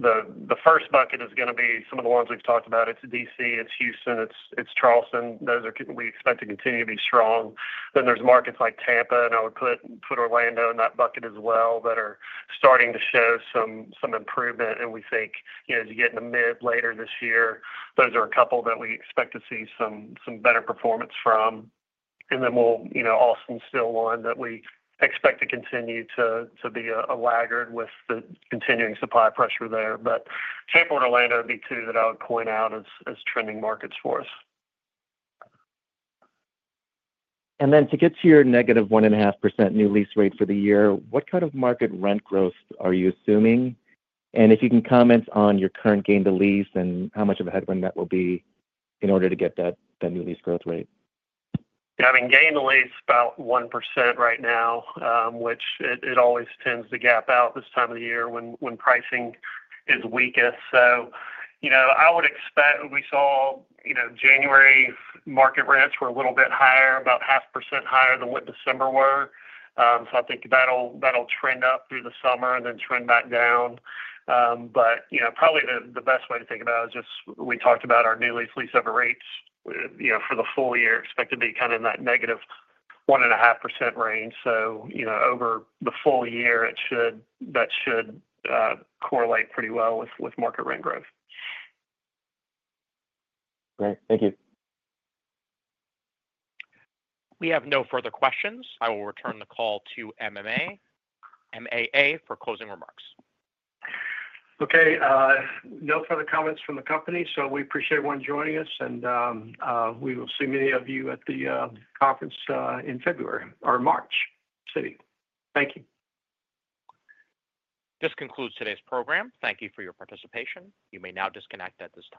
[SPEAKER 6] The first bucket is going to be some of the ones we've talked about. It's DC. It's Houston. It's Charleston. Those are we expect to continue to be strong. Then there's markets like Tampa. And I would put Orlando in that bucket as well that are starting to show some improvement. And we think as you get in the mid- to later this year, those are a couple that we expect to see some better performance from. And then, well, Austin still one that we expect to continue to be a laggard with the continuing supply pressure there. Tampa and Orlando would be two that I would point out as trending markets for us.
[SPEAKER 25] And then to get to your -ve1.5% new lease rate for the year, what kind of market rent growth are you assuming? And if you can comment on your current gain-to-lease and how much of a headwind that will be in order to get that new lease growth rate?
[SPEAKER 6] I mean, gain-to-lease about 1% right now, which it always tends to gap out this time of the year when pricing is weakest. So I would expect we saw January market rents were a little bit higher, about 0.5% higher than what December were. So I think that'll trend up through the summer and then trend back down. But probably the best way to think about it is just we talked about our new lease-over-lease rates for the full year expected to be kind of in that -ve1.5% range. So over the full year, that should correlate pretty well with market rent growth.
[SPEAKER 25] Great. Thank you.
[SPEAKER 1] We have no further questions. I will return the call to MAA for closing remarks.
[SPEAKER 3] Okay. No further comments from the company. So we appreciate everyone joining us. And we will see many of you at the conference in February or March. Citi. Thank you.
[SPEAKER 1] This concludes today's program. Thank you for your participation. You may now disconnect at this time.